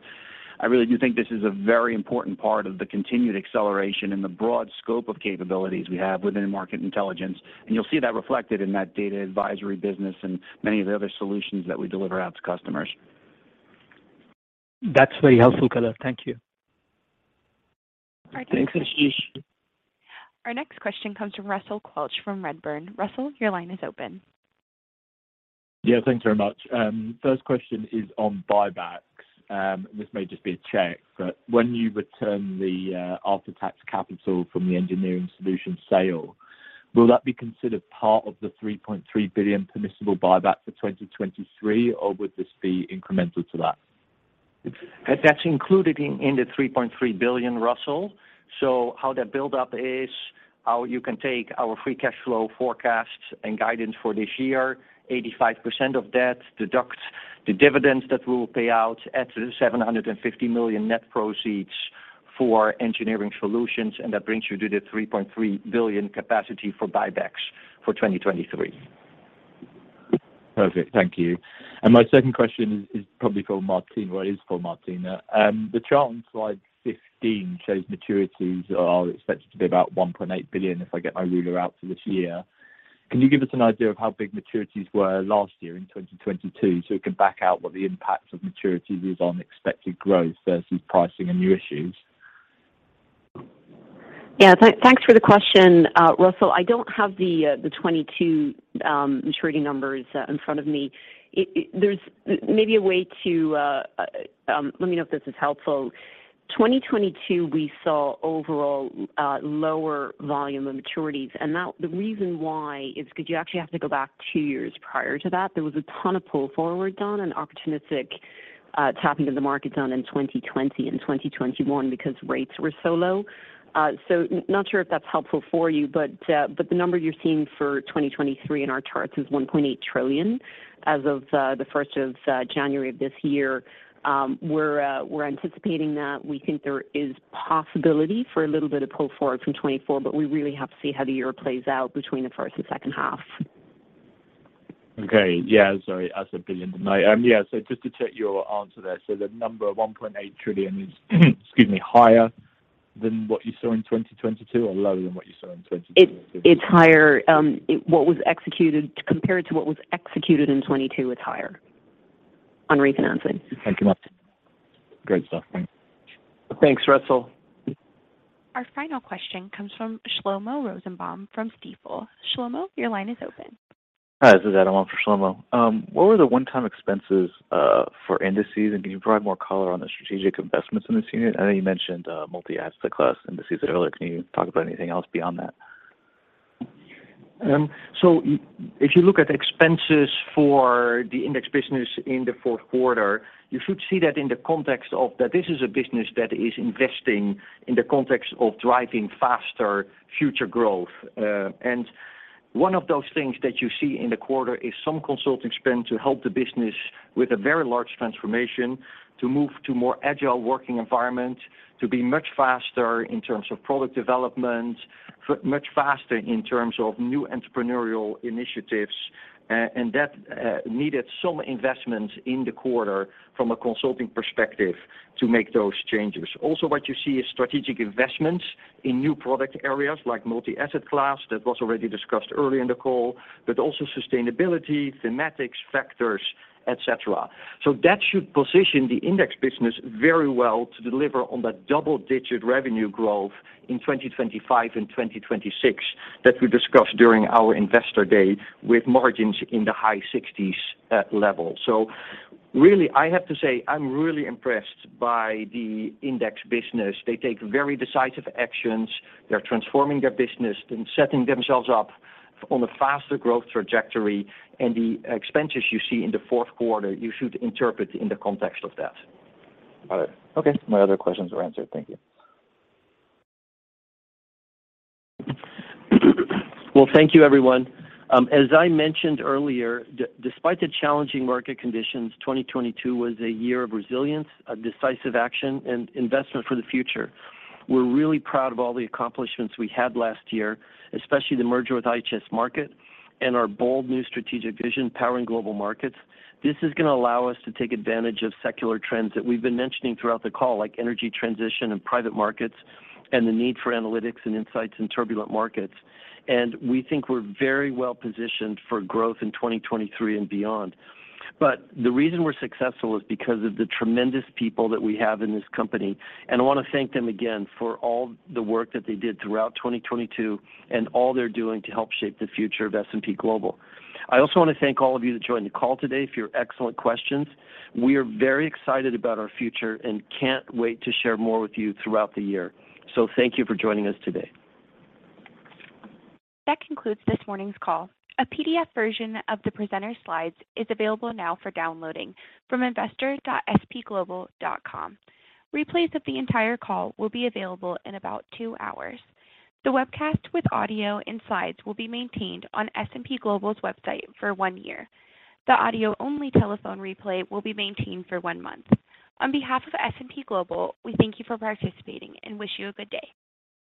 I really do think this is a very important part of the continued acceleration and the broad scope of capabilities we have within Market Intelligence, and you'll see that reflected in that data advisory business and many of the other solutions that we deliver out to customers. That's very helpful, Adam. Thank you. Thanks, Ashish. Our next question comes from Russell Quelch from Redburn. Russell, your line is open. Yeah. Thanks very much. First question is on buybacks. This may just be a check, but when you return the after-tax capital from the Engineering Solutions sale, will that be considered part of the $3.3 billion permissible buyback for 2023, or would this be incremental to that? That's included in the $3.3 billion, Russell. How that build up is, how you can take our free cash flow forecast and guidance for this year, 85% of that deduct the dividends that we'll pay out at $750 million net proceeds for Engineering Solutions. That brings you to the $3.3 billion capacity for buybacks for 2023. Perfect. Thank you. My second question is probably for Martina. Well, it is for Martina. The chart on slide 15 shows maturities are expected to be about $1.8 billion, if I get my ruler out, for this year. Can you give us an idea of how big maturities were last year in 2022, so we can back out what the impact of maturities is on expected growth versus pricing and new issues? Yeah. Thanks for the question, Russell. I don't have the 22 maturity numbers in front of me. There's maybe a way to. Let me know if this is helpful. 2022, we saw overall lower volume of maturities. Now the reason why is because you actually have to go back two years prior to that. There was a ton of pull forward done and opportunistic tapping to the markets done in 2020 and 2021 because rates were so low. Not sure if that's helpful for you, but the number you're seeing for 2023 in our charts is $1.8 trillion as of the 1st of January of this year. We're anticipating that. We think there is possibility for a little bit of pull forward from 2024, but we really have to see how the year plays out between the first and second half. Sorry. I said billion, didn't I? Just to check your answer there. The number of $1.8 trillion is, excuse me, higher than what you saw in 2022 or lower than what you saw in 2022? It's higher. What was executed Compared to what was executed in 2022, it's higher on rate financing. Thank you, Martina. Great stuff. Thanks. Thanks, Russell. Our final question comes from Shlomo Rosenbaum from Stifel. Shlomo, your line is open. Hi, this is Adam Wang for Shlomo. What were the one-time expenses for indices, and can you provide more color on the strategic investments in this unit? I know you mentioned multi-asset class indices earlier. Can you talk about anything else beyond that? If you look at expenses for the index business in the fourth quarter, you should see that in the context of that this is a business that is investing in the context of driving faster future growth. One of those things that you see in the quarter is some consulting spend to help the business with a very large transformation to move to more agile working environment, to be much faster in terms of product development, much faster in terms of new entrepreneurial initiatives. That needed some investment in the quarter from a consulting perspective to make those changes. Also, what you see is strategic investments in new product areas like multi-asset class, that was already discussed early in the call, but also sustainability, thematics, factors, et cetera. That should position the index business very well to deliver on the double-digit revenue growth in 2025 and 2026 that we discussed during our Investor Day with margins in the high sixties level. Really, I have to say, I'm really impressed by the index business. They take very decisive actions. They're transforming their business and setting themselves up on a faster growth trajectory, and the expenses you see in the fourth quarter, you should interpret in the context of that. Got it. Okay. My other questions were answered. Thank you. Well, thank you, everyone. As I mentioned earlier, despite the challenging market conditions, 2022 was a year of resilience, of decisive action, and investment for the future. We're really proud of all the accomplishments we had last year, especially the merger with IHS Markit and our bold new strategic vision, Powering Global Markets. This is gonna allow us to take advantage of secular trends that we've been mentioning throughout the call, like energy transition and private markets, and the need for analytics and insights in turbulent markets. We think we're very well-positioned for growth in 2023 and beyond. The reason we're successful is because of the tremendous people that we have in this company, and I wanna thank them again for all the work that they did throughout 2022 and all they're doing to help shape the future of S&P Global. I also wanna thank all of you that joined the call today for your excellent questions. We are very excited about our future and can't wait to share more with you throughout the year. Thank you for joining us today. That concludes this morning's call. A PDF version of the presenter's slides is available now for downloading from investor.spglobal.com. Replays of the entire call will be available in about two hours. The webcast with audio and slides will be maintained on S&P Global's website for one year. The audio-only telephone replay will be maintained for one month. On behalf of S&P Global, we thank you for participating and wish you a good day.